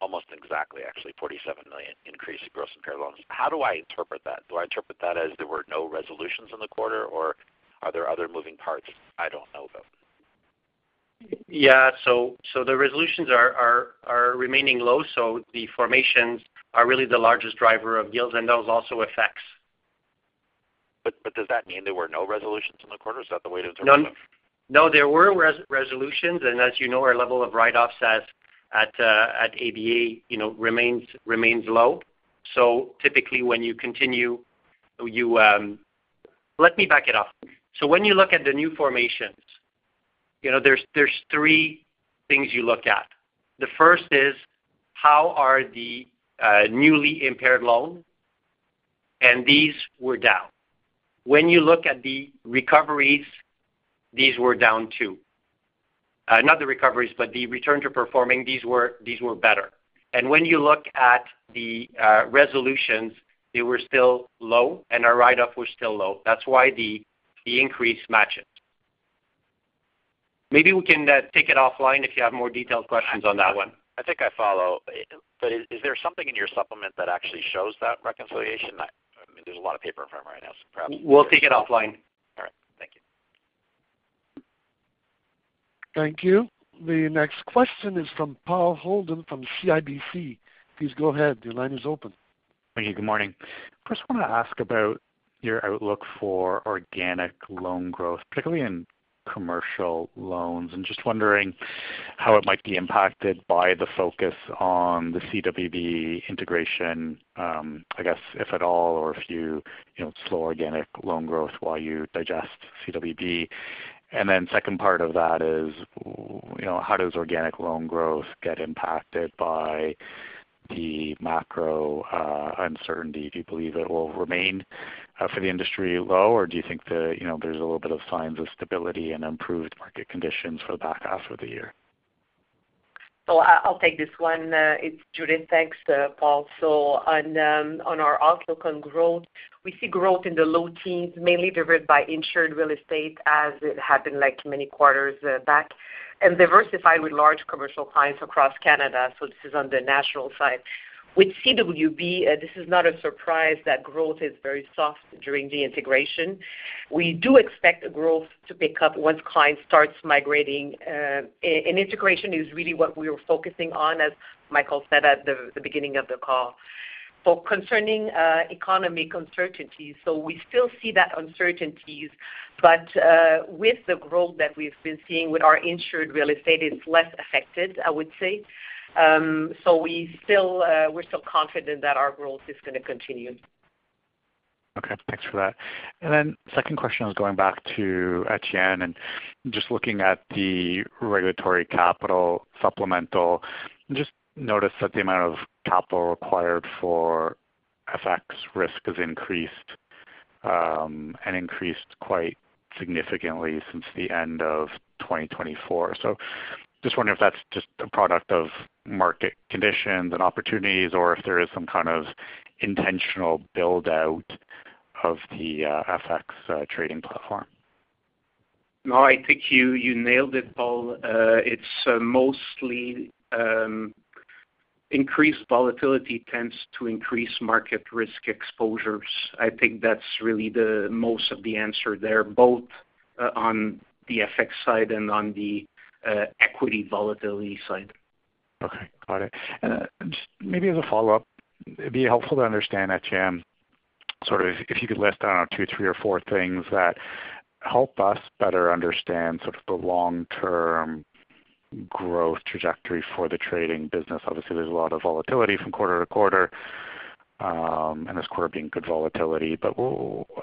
Almost exactly, actually, $47 million increase in gross impaired loans. How do I interpret that? Do I interpret that as there were no resolutions in the quarter, or are there other moving parts I do not know about? Yeah. The resolutions are remaining low. The formations are really the largest driver of gills, and those also affect. Does that mean there were no resolutions in the quarter? Is that the way to interpret them? No. No, there were resolutions. As you know, our level of write-offs at ABA Bank remains low. Typically, when you continue—let me back it up. When you look at the new formations, there are three things you look at. The first is how are the newly impaired loans, and these were down. When you look at the recoveries, these were down too. Not the recoveries, but the return to performing, these were better. When you look at the resolutions, they were still low, and our write-off was still low. That is why the increase matches. Maybe we can take it offline if you have more detailed questions on that one. I think I follow. Is there something in your supplement that actually shows that reconciliation? I mean, there's a lot of paper in front of me right now, so perhaps. We'll take it offline. All right. Thank you. Thank you. The next question is from Paul Holden from CIBC. Please go ahead. Your line is open. Thank you. Good morning. First, I want to ask about your outlook for organic loan growth, particularly in commercial loans, and just wondering how it might be impacted by the focus on the CWB integration, I guess, if at all, or if you slow organic loan growth while you digest CWB. The second part of that is how does organic loan growth get impacted by the macro uncertainty? Do you believe it will remain for the industry low, or do you think there's a little bit of signs of stability and improved market conditions for the back half of the year? I'll take this one. It's Judith. Thanks, Paul. On our outlook on growth, we see growth in the low teens, mainly driven by insured real estate, as it happened many quarters back, and diversified with large commercial clients across Canada. This is on the national side. With CWB, this is not a surprise that growth is very soft during the integration. We do expect growth to pick up once clients start migrating. Integration is really what we were focusing on, as Michael said at the beginning of the call. Concerning economic uncertainties, we still see those uncertainties, but with the growth that we've been seeing with our insured real estate, it's less affected, I would say. We're still confident that our growth is going to continue. Okay. Thanks for that. Second question is going back to Étienne. Just looking at the regulatory capital supplemental, just noticed that the amount of capital required for FX risk has increased and increased quite significantly since the end of 2024. Just wondering if that's just a product of market conditions and opportunities, or if there is some kind of intentional build-out of the FX trading platform. No, I think you nailed it, Paul. It's mostly increased volatility tends to increase market risk exposures. I think that's really the most of the answer there, both on the FX side and on the equity volatility side. Okay. Got it. Just maybe as a follow-up, it'd be helpful to understand, Étienne, sort of if you could list, I don't know, two, three, or four things that help us better understand sort of the long-term growth trajectory for the trading business. Obviously, there's a lot of volatility from quarter to quarter, and this quarter being good volatility.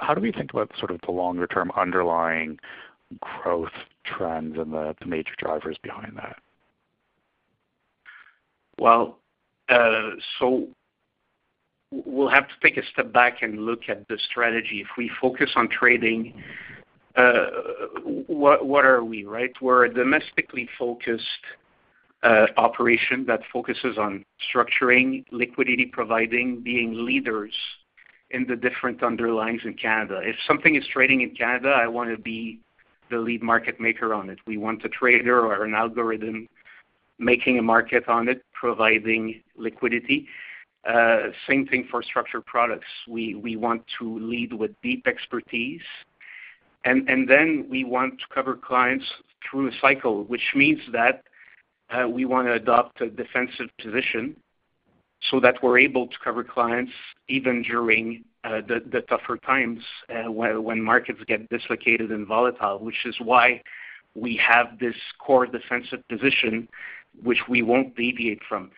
How do we think about sort of the longer-term underlying growth trends and the major drivers behind that? We have to take a step back and look at the strategy. If we focus on trading, what are we, right? We are a domestically focused operation that focuses on structuring, liquidity providing, being leaders in the different underlyings in Canada. If something is trading in Canada, I want to be the lead market maker on it. We want a trader or an algorithm making a market on it, providing liquidity. Same thing for structured products. We want to lead with deep expertise. Then we want to cover clients through a cycle, which means that we want to adopt a defensive position so that we are able to cover clients even during the tougher times when markets get dislocated and volatile, which is why we have this core defensive position, which we will not deviate from.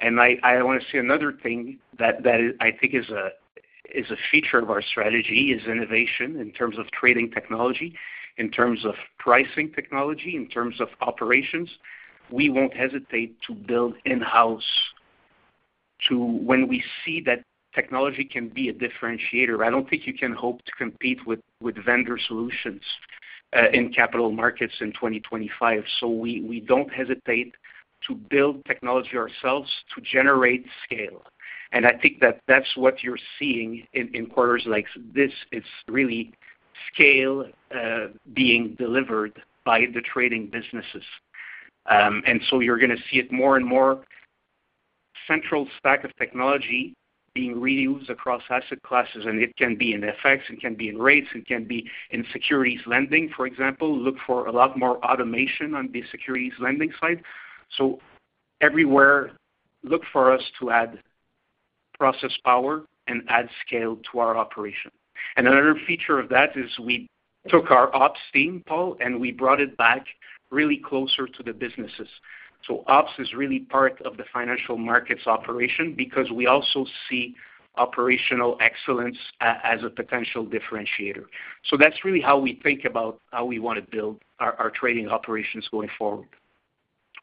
I want to say another thing that I think is a feature of our strategy is innovation in terms of trading technology, in terms of pricing technology, in terms of operations. We will not hesitate to build in-house when we see that technology can be a differentiator. I do not think you can hope to compete with vendor solutions in capital markets in 2025. We do not hesitate to build technology ourselves to generate scale. I think that is what you are seeing in quarters like this. It is really scale being delivered by the trading businesses. You are going to see it more and more, central stack of technology being reused across asset classes. It can be in FX. It can be in rates. It can be in securities lending, for example. Look for a lot more automation on the securities lending side. Everywhere, look for us to add process power and add scale to our operation. Another feature of that is we took our ops team, Paul, and we brought it back really closer to the businesses. Ops is really part of the Financial Markets operation because we also see operational excellence as a potential differentiator. That is really how we think about how we want to build our trading operations going forward.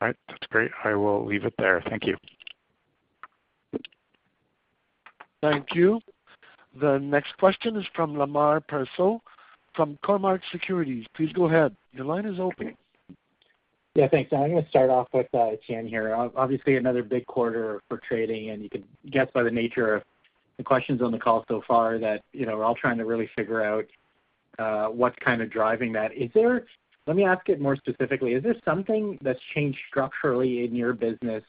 All right. That's great. I will leave it there. Thank you. Thank you. The next question is from Lamar Persaud from Cormark Securities. Please go ahead. Your line is open. Yeah. Thanks. I'm going to start off with Étienne here. Obviously, another big quarter for trading. You can guess by the nature of the questions on the call so far that we're all trying to really figure out what's kind of driving that. Let me ask it more specifically. Is there something that's changed structurally in your business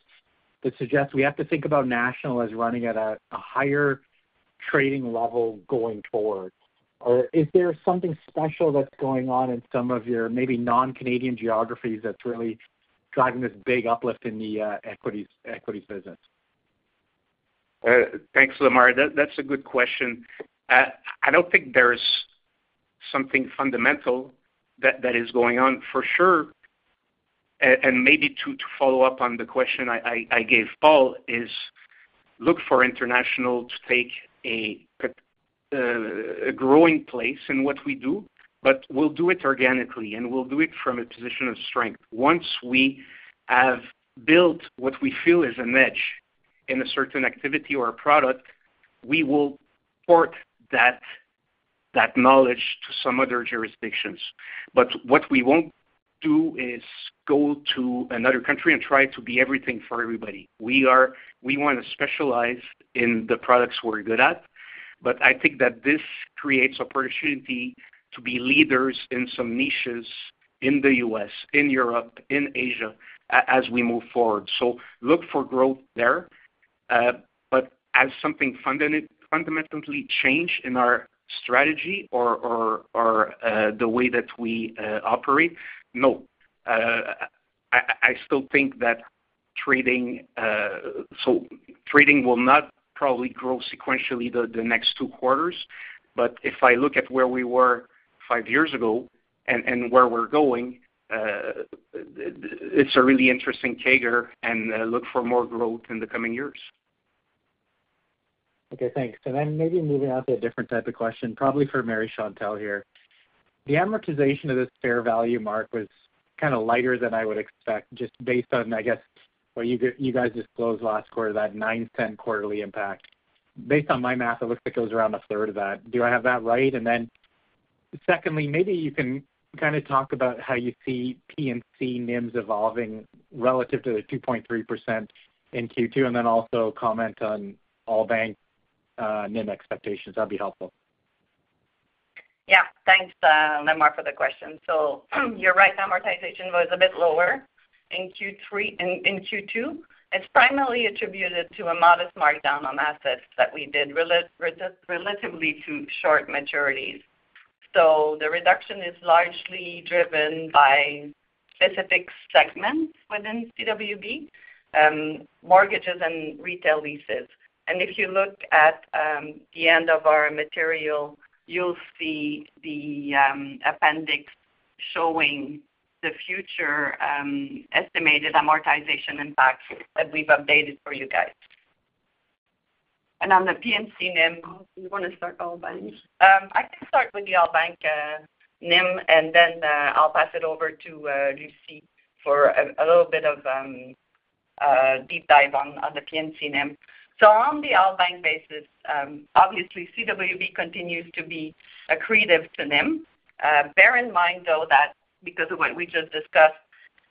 that suggests we have to think about National as running at a higher trading level going forward? Is there something special that's going on in some of your maybe non-Canadian geographies that's really driving this big uplift in the equities business? Thanks, Lamar. That's a good question. I don't think there's something fundamental that is going on. For sure, and maybe to follow up on the question I gave Paul, is look for international to take a growing place in what we do, but we'll do it organically, and we'll do it from a position of strength. Once we have built what we feel is a niche in a certain activity or a product, we will port that knowledge to some other jurisdictions. What we won't do is go to another country and try to be everything for everybody. We want to specialize in the products we're good at, but I think that this creates opportunity to be leaders in some niches in the U.S., in Europe, in Asia as we move forward. Look for growth there. As something fundamentally changed in our strategy or the way that we operate, no. I still think that trading will not probably grow sequentially the next two quarters. If I look at where we were five years ago and where we're going, it's a really interesting CAGR and look for more growth in the coming years. Okay. Thanks. Maybe moving on to a different type of question, probably for Marie Chantal here. The amortization of this fair value mark was kind of lighter than I would expect, just based on, I guess, what you guys disclosed last quarter, that 9% quarterly impact. Based on my math, it looks like it was around a third of that. Do I have that right? Secondly, maybe you can kind of talk about how you see PNC NIMs evolving relative to the 2.3% in Q2, and also comment on all bank NIM expectations. That would be helpful. Yeah. Thanks, Lamar, for the question. You're right. Amortization was a bit lower in Q2. It's primarily attributed to a modest markdown on assets that we did relative to short maturities. The reduction is largely driven by specific segments within CWB, mortgages and retail leases. If you look at the end of our material, you'll see the appendix showing the future estimated amortization impact that we've updated for you guys. On the PNC NIM, you want to start, all banks? I can start with the all bank NIM, and then I'll pass it over to Lucie for a little bit of a deep dive on the PNC NIM. On the all bank basis, obviously, CWB continues to be accretive to NIM. Bear in mind, though, that because of what we just discussed,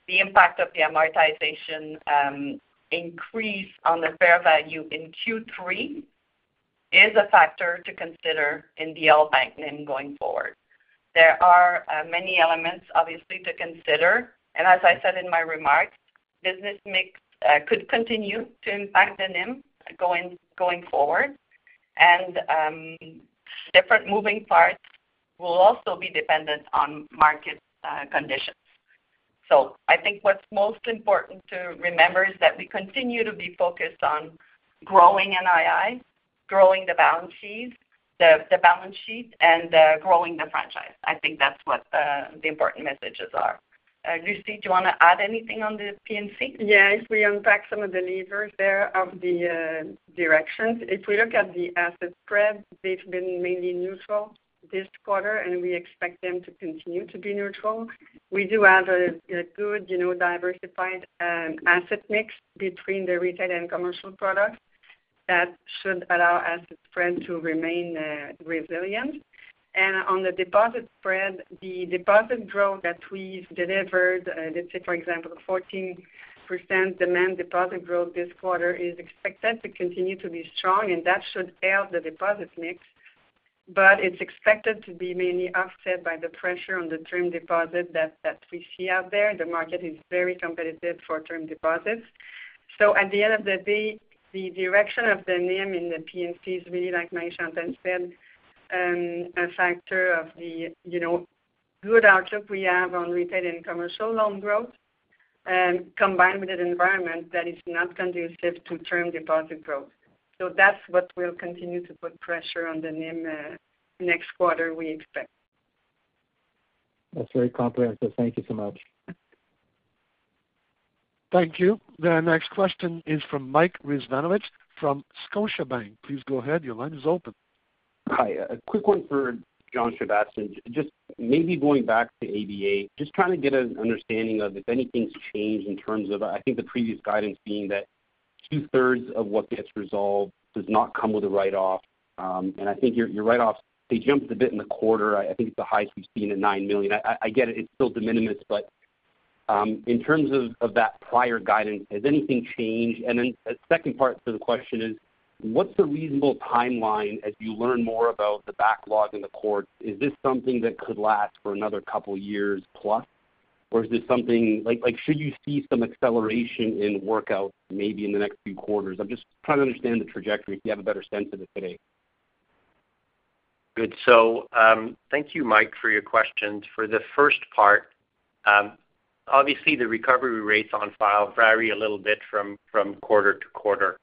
the impact of the amortization increase on the fair value in Q3 is a factor to consider in the all bank NIM going forward. There are many elements, obviously, to consider. As I said in my remarks, business mix could continue to impact the NIM going forward, and different moving parts will also be dependent on market conditions. I think what's most important to remember is that we continue to be focused on growing NII, growing the balance sheet, and growing the franchise. I think that's what the important messages are. Lucie, do you want to add anything on the PNC? Yes. We unpack some of the levers there of the directions. If we look at the asset spread, they have been mainly neutral this quarter, and we expect them to continue to be neutral. We do have a good diversified asset mix between the retail and commercial products that should allow asset spread to remain resilient. On the deposit spread, the deposit growth that we have delivered, let's say, for example, 14% demand deposit growth this quarter, is expected to continue to be strong, and that should help the deposit mix. It is expected to be mainly offset by the pressure on the term deposit that we see out there. The market is very competitive for term deposits. At the end of the day, the direction of the NIM in the PNC is really, like Marie Chantal said, a factor of the good outlook we have on retail and commercial loan growth combined with an environment that is not conducive to term deposit growth. That is what will continue to put pressure on the NIM next quarter, we expect. That's very comprehensive. Thank you so much. Thank you. The next question is from Mike Rizvanovic from Scotiabank. Please go ahead. Your line is open. Hi. A quick one for Jean-Sébastien. Just maybe going back to ABA, just trying to get an understanding of if anything's changed in terms of, I think, the previous guidance being that two-thirds of what gets resolved does not come with a write-off. And I think your write-offs, they jumped a bit in the quarter. I think it's the highest we've seen at 9 million. I get it. It's still de minimis. In terms of that prior guidance, has anything changed? The second part to the question is, what's the reasonable timeline as you learn more about the backlog in the court? Is this something that could last for another couple of years plus, or is this something like, should you see some acceleration in workouts maybe in the next few quarters? I'm just trying to understand the trajectory if you have a better sense of it today. Good. Thank you, Mike, for your questions. For the first part, obviously, the recovery rates on file vary a little bit from quarter to quarter.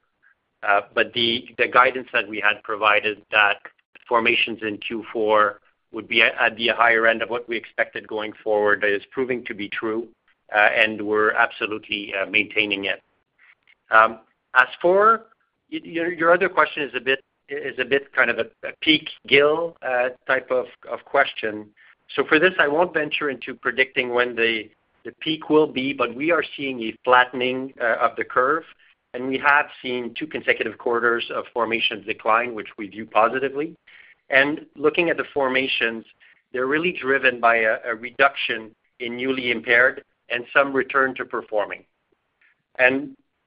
The guidance that we had provided that formations in Q4 would be at the higher end of what we expected going forward is proving to be true, and we're absolutely maintaining it. As for your other question, it's a bit kind of a peak-GIL type of question. For this, I won't venture into predicting when the peak will be, but we are seeing a flattening of the curve. We have seen two consecutive quarters of formation decline, which we view positively. Looking at the formations, they're really driven by a reduction in newly impaired and some return to performing.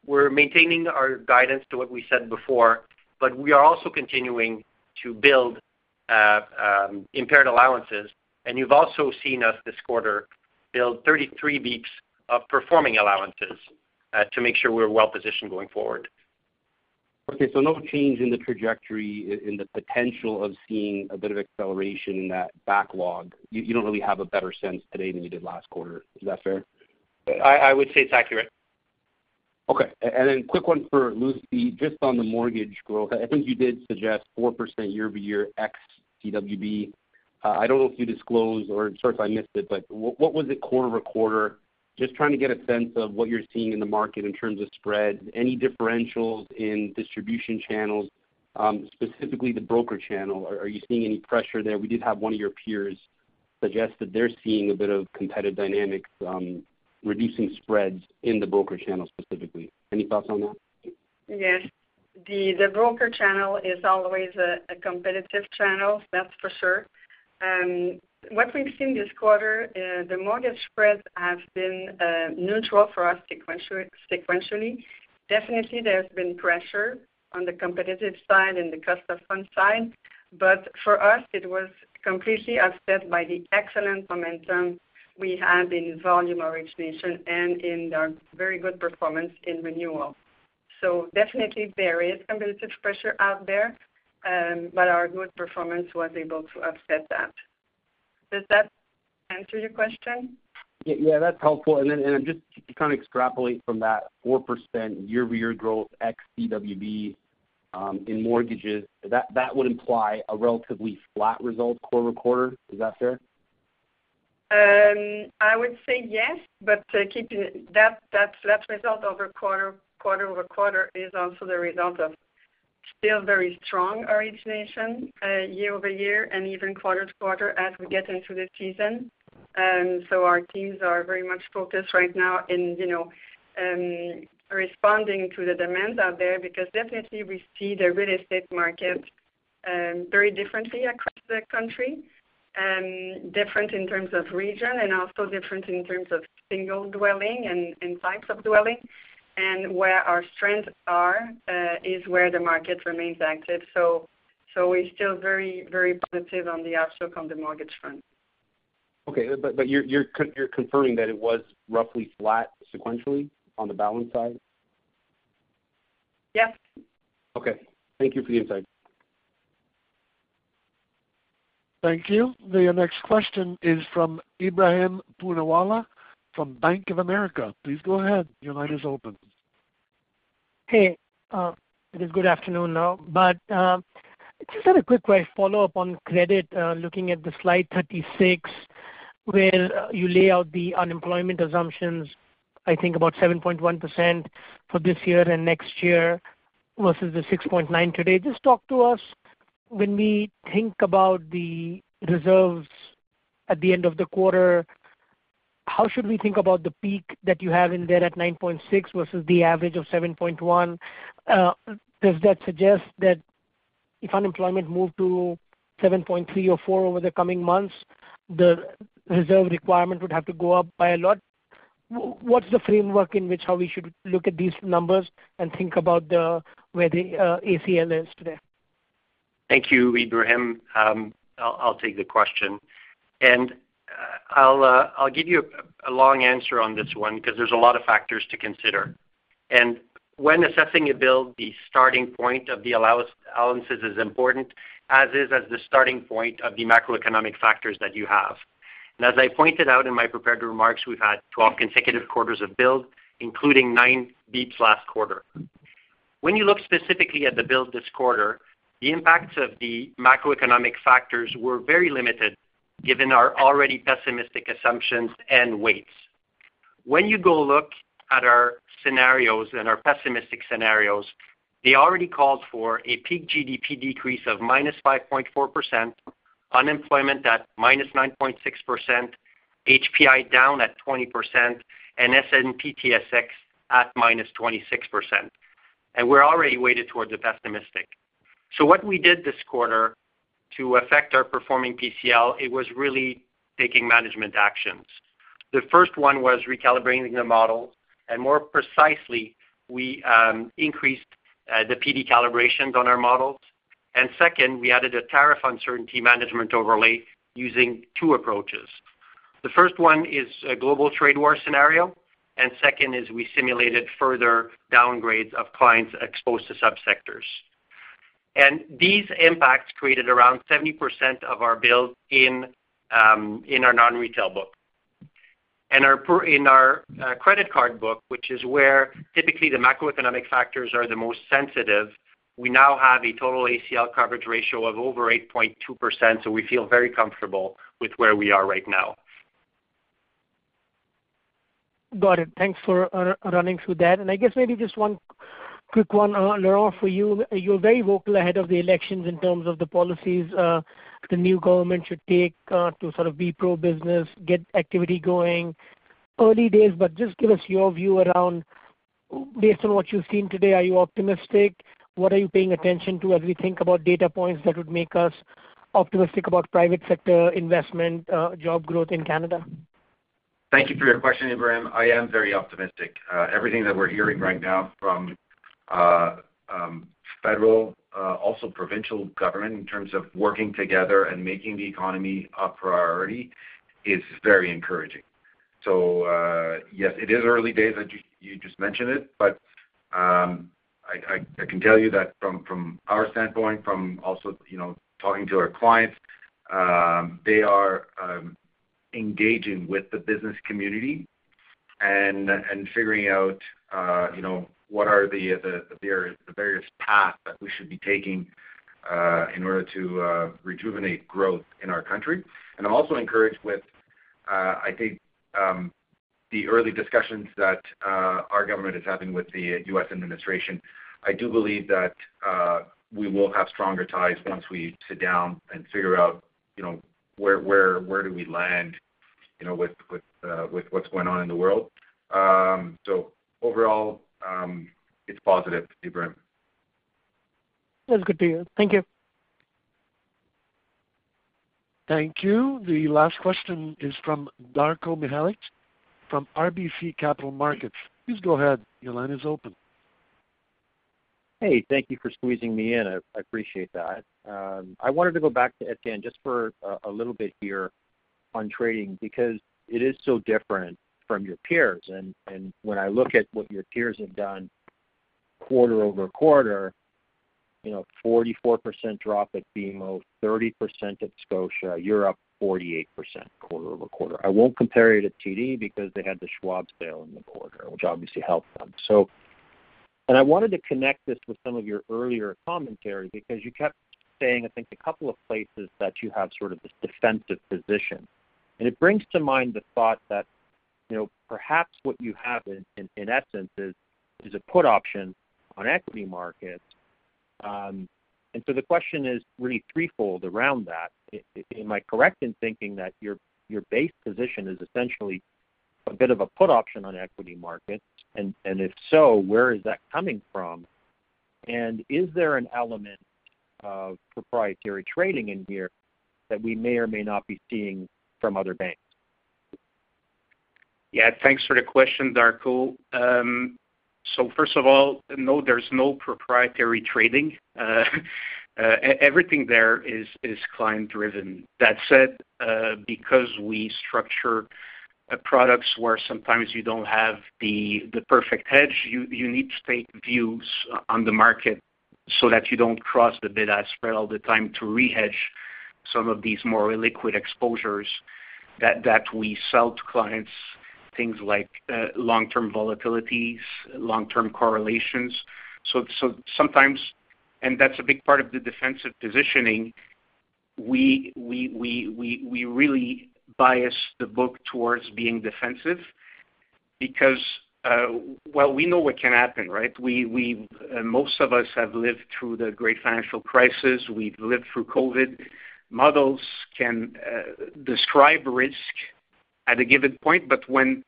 We're maintaining our guidance to what we said before, but we are also continuing to build impaired allowances. You've also seen us this quarter build 33 basis points of performing allowances to make sure we're well-positioned going forward. Okay. So no change in the trajectory in the potential of seeing a bit of acceleration in that backlog. You don't really have a better sense today than you did last quarter. Is that fair? I would say it's accurate. Okay. And then quick one for Lucie, just on the mortgage growth. I think you did suggest 4% year-over-year ex CWB. I do not know if you disclosed or I am not sure if I missed it, but what was it quarter over quarter? Just trying to get a sense of what you are seeing in the market in terms of spreads, any differentials in distribution channels, specifically the broker channel. Are you seeing any pressure there? We did have one of your peers suggest that they are seeing a bit of competitive dynamics reducing spreads in the broker channel specifically. Any thoughts on that? Yes. The broker channel is always a competitive channel, that's for sure. What we've seen this quarter, the mortgage spreads have been neutral for us sequentially. Definitely, there's been pressure on the competitive side and the cost of fund side. For us, it was completely offset by the excellent momentum we had in volume origination and in our very good performance in renewal. Definitely there is competitive pressure out there, but our good performance was able to offset that. Does that answer your question? Yeah. That's helpful. And then just to kind of extrapolate from that 4% year-over-year growth ex CWB in mortgages, that would imply a relatively flat result quarter-to-quarter. Is that fair? I would say yes, but that result over quarter-over-quarter is also the result of still very strong origination year-over-year and even quarter-to-quarter as we get into the season. Our teams are very much focused right now in responding to the demands out there because definitely we see the real estate market very differently across the country, different in terms of region, and also different in terms of single dwelling and types of dwelling. Where our strengths are is where the market remains active. We are still very, very positive on the outlook on the mortgage front. Okay. But you're confirming that it was roughly flat sequentially on the balance side? Yes. Okay. Thank you for the insight. Thank you. The next question is from Ibrahim Punawalla from Bank of America. Please go ahead. Your line is open. Hey. It is good afternoon now. Just a quick follow-up on credit, looking at slide 36 where you lay out the unemployment assumptions, I think about 7.1% for this year and next year versus the 6.9% today. Just talk to us, when we think about the reserves at the end of the quarter, how should we think about the peak that you have in there at 9.6% versus the average of 7.1%? Does that suggest that if unemployment moved to 7.3% or 7.4% over the coming months, the reserve requirement would have to go up by a lot? What is the framework in which how we should look at these numbers and think about where the ACL is today? Thank you, Ibrahim. I'll take the question. I'll give you a long answer on this one because there's a lot of factors to consider. When assessing a build, the starting point of the allowances is important as is the starting point of the macroeconomic factors that you have. As I pointed out in my prepared remarks, we've had 12 consecutive quarters of build, including 9 builds last quarter. When you look specifically at the build this quarter, the impacts of the macroeconomic factors were very limited given our already pessimistic assumptions and weights. When you go look at our scenarios and our pessimistic scenarios, they already called for a peak GDP decrease of -5.4%, unemployment at -9.6%, HPI down at 20%, and S&P/TSX at -26%. We're already weighted towards the pessimistic. What we did this quarter to affect our performing PCL, it was really taking management actions. The first one was recalibrating the model. More precisely, we increased the PD calibrations on our models. Second, we added a tariff uncertainty management overlay using two approaches. The first one is a global trade war scenario, and second is we simulated further downgrades of clients exposed to subsectors. These impacts created around 70% of our build in our non-retail book. In our credit card book, which is where typically the macroeconomic factors are the most sensitive, we now have a total ACL coverage ratio of over 8.2%. We feel very comfortable with where we are right now. Got it. Thanks for running through that. I guess maybe just one quick one, Laurent, for you. You were very vocal ahead of the elections in terms of the policies the new government should take to sort of be pro-business, get activity going. Early days, but just give us your view around based on what you've seen today, are you optimistic? What are you paying attention to as we think about data points that would make us optimistic about private sector investment and job growth in Canada? Thank you for your question, Ibrahim. I am very optimistic. Everything that we're hearing right now from federal, also provincial government, in terms of working together and making the economy a priority is very encouraging. Yes, it is early days as you just mentioned it, but I can tell you that from our standpoint, from also talking to our clients, they are engaging with the business community and figuring out what are the various paths that we should be taking in order to rejuvenate growth in our country. I am also encouraged with, I think, the early discussions that our government is having with the U.S. administration. I do believe that we will have stronger ties once we sit down and figure out where do we land with what's going on in the world. Overall, it's positive, Ibrahim. That's good to hear. Thank you. Thank you. The last question is from Darko Mihelic from RBC Capital Markets. Please go ahead. Your line is open. Hey, thank you for squeezing me in. I appreciate that. I wanted to go back to Étienne just for a little bit here on trading because it is so different from your peers. When I look at what your peers have done quarter over quarter, 44% drop at BMO, 30% at Scotia, you're up 48% quarter over quarter. I won't compare you to TD because they had the Schwab sale in the quarter, which obviously helped them. I wanted to connect this with some of your earlier commentary because you kept saying, I think, a couple of places that you have sort of this defensive position. It brings to mind the thought that perhaps what you have in essence is a put option on equity markets. The question is really threefold around that. Am I correct in thinking that your base position is essentially a bit of a put option on equity markets? If so, where is that coming from? Is there an element of proprietary trading in here that we may or may not be seeing from other banks? Yeah. Thanks for the question, Darko. First of all, no, there's no proprietary trading. Everything there is client-driven. That said, because we structure products where sometimes you do not have the perfect hedge, you need to take views on the market so that you do not cross the bid-ask spread all the time to re-hedge some of these more illiquid exposures that we sell to clients, things like long-term volatilities, long-term correlations. That is a big part of the defensive positioning. We really bias the book towards being defensive because, well, we know what can happen, right? Most of us have lived through the great financial crisis. We have lived through COVID. Models can describe risk at a given point, but when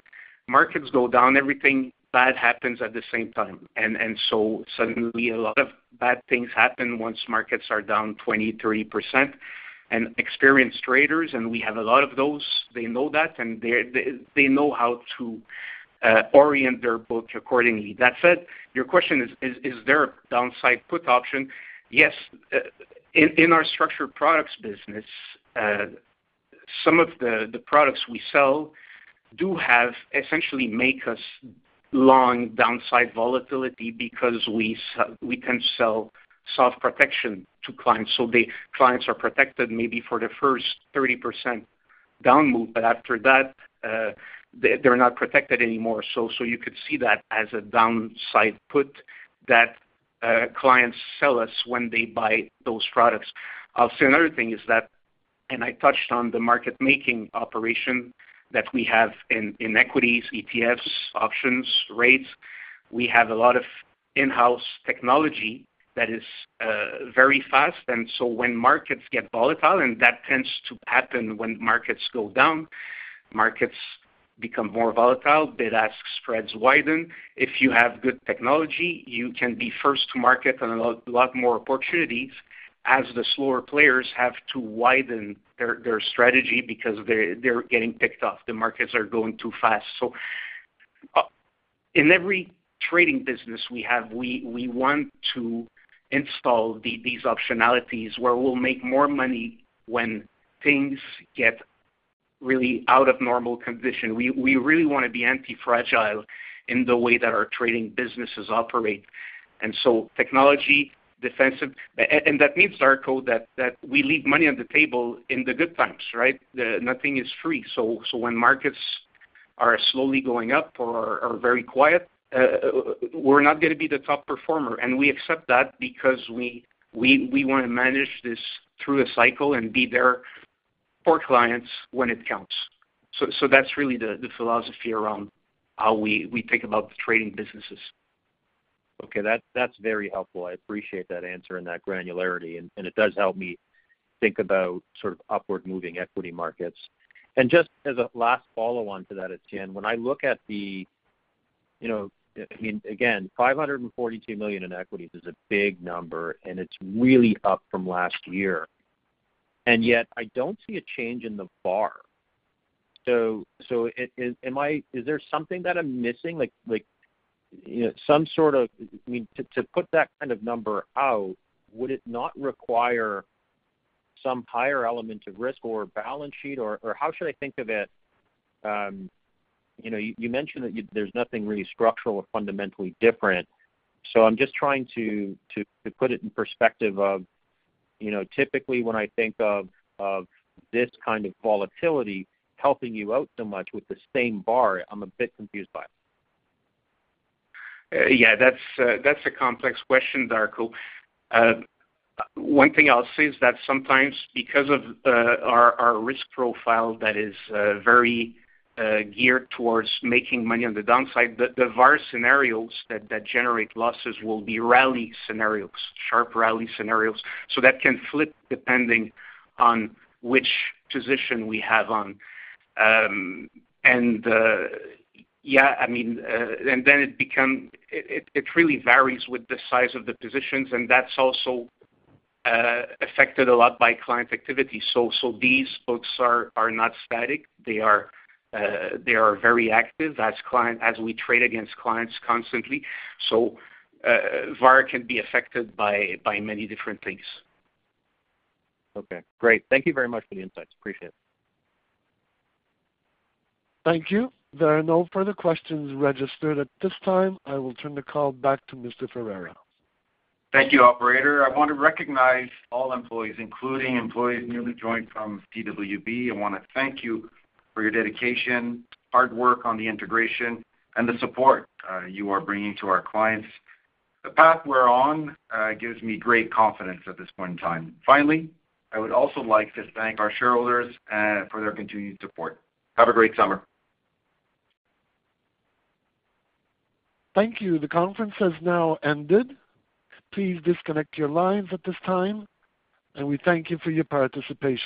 markets go down, everything bad happens at the same time. Suddenly, a lot of bad things happen once markets are down 20%-30%. Experienced traders, and we have a lot of those, they know that, and they know how to orient their book accordingly. That said, your question is, is there a downside put option? Yes. In our structured products business, some of the products we sell do have essentially make us long downside volatility because we tend to sell soft protection to clients. The clients are protected maybe for the first 30% down move, but after that, they are not protected anymore. You could see that as a downside put that clients sell us when they buy those products. I'll say another thing is that, and I touched on the market-making operation that we have in equities, ETFs, options, rates. We have a lot of in-house technology that is very fast. When markets get volatile, and that tends to happen when markets go down, markets become more volatile, bid-ask spreads widen. If you have good technology, you can be first to market on a lot more opportunities as the slower players have to widen their strategy because they're getting picked off. The markets are going too fast. In every trading business we have, we want to install these optionalities where we'll make more money when things get really out of normal condition. We really want to be anti-fragile in the way that our trading businesses operate. Technology, defensive. That means, Darko, that we leave money on the table in the good times, right? Nothing is free. When markets are slowly going up or are very quiet, we're not going to be the top performer. We accept that because we want to manage this through a cycle and be there for clients when it counts. That is really the philosophy around how we think about the trading businesses. Okay. That's very helpful. I appreciate that answer and that granularity. It does help me think about sort of upward-moving equity markets. Just as a last follow-on to that, Étienne, when I look at the, I mean, again, 542 million in equities is a big number, and it's really up from last year. Yet, I do not see a change in the bar. Is there something that I'm missing? Some sort of, I mean, to put that kind of number out, would it not require some higher element of risk or balance sheet? Or how should I think of it? You mentioned that there's nothing really structural or fundamentally different. I'm just trying to put it in perspective of typically when I think of this kind of volatility helping you out so much with the same bar, I'm a bit confused by it. Yeah. That's a complex question, Darko. One thing I'll say is that sometimes because of our risk profile that is very geared towards making money on the downside, the VAR scenarios that generate losses will be rally scenarios, sharp rally scenarios. That can flip depending on which position we have on. Yeah, I mean, it really varies with the size of the positions, and that's also affected a lot by client activity. These books are not static. They are very active as we trade against clients constantly. VAR can be affected by many different things. Okay. Great. Thank you very much for the insights. Appreciate it. Thank you. There are no further questions registered at this time. I will turn the call back to Mr. Ferreira. Thank you, Operator. I want to recognize all employees, including employees newly joined from CWB. I want to thank you for your dedication, hard work on the integration, and the support you are bringing to our clients. The path we're on gives me great confidence at this point in time. Finally, I would also like to thank our shareholders for their continued support. Have a great summer. Thank you. The conference has now ended. Please disconnect your lines at this time. We thank you for your participation.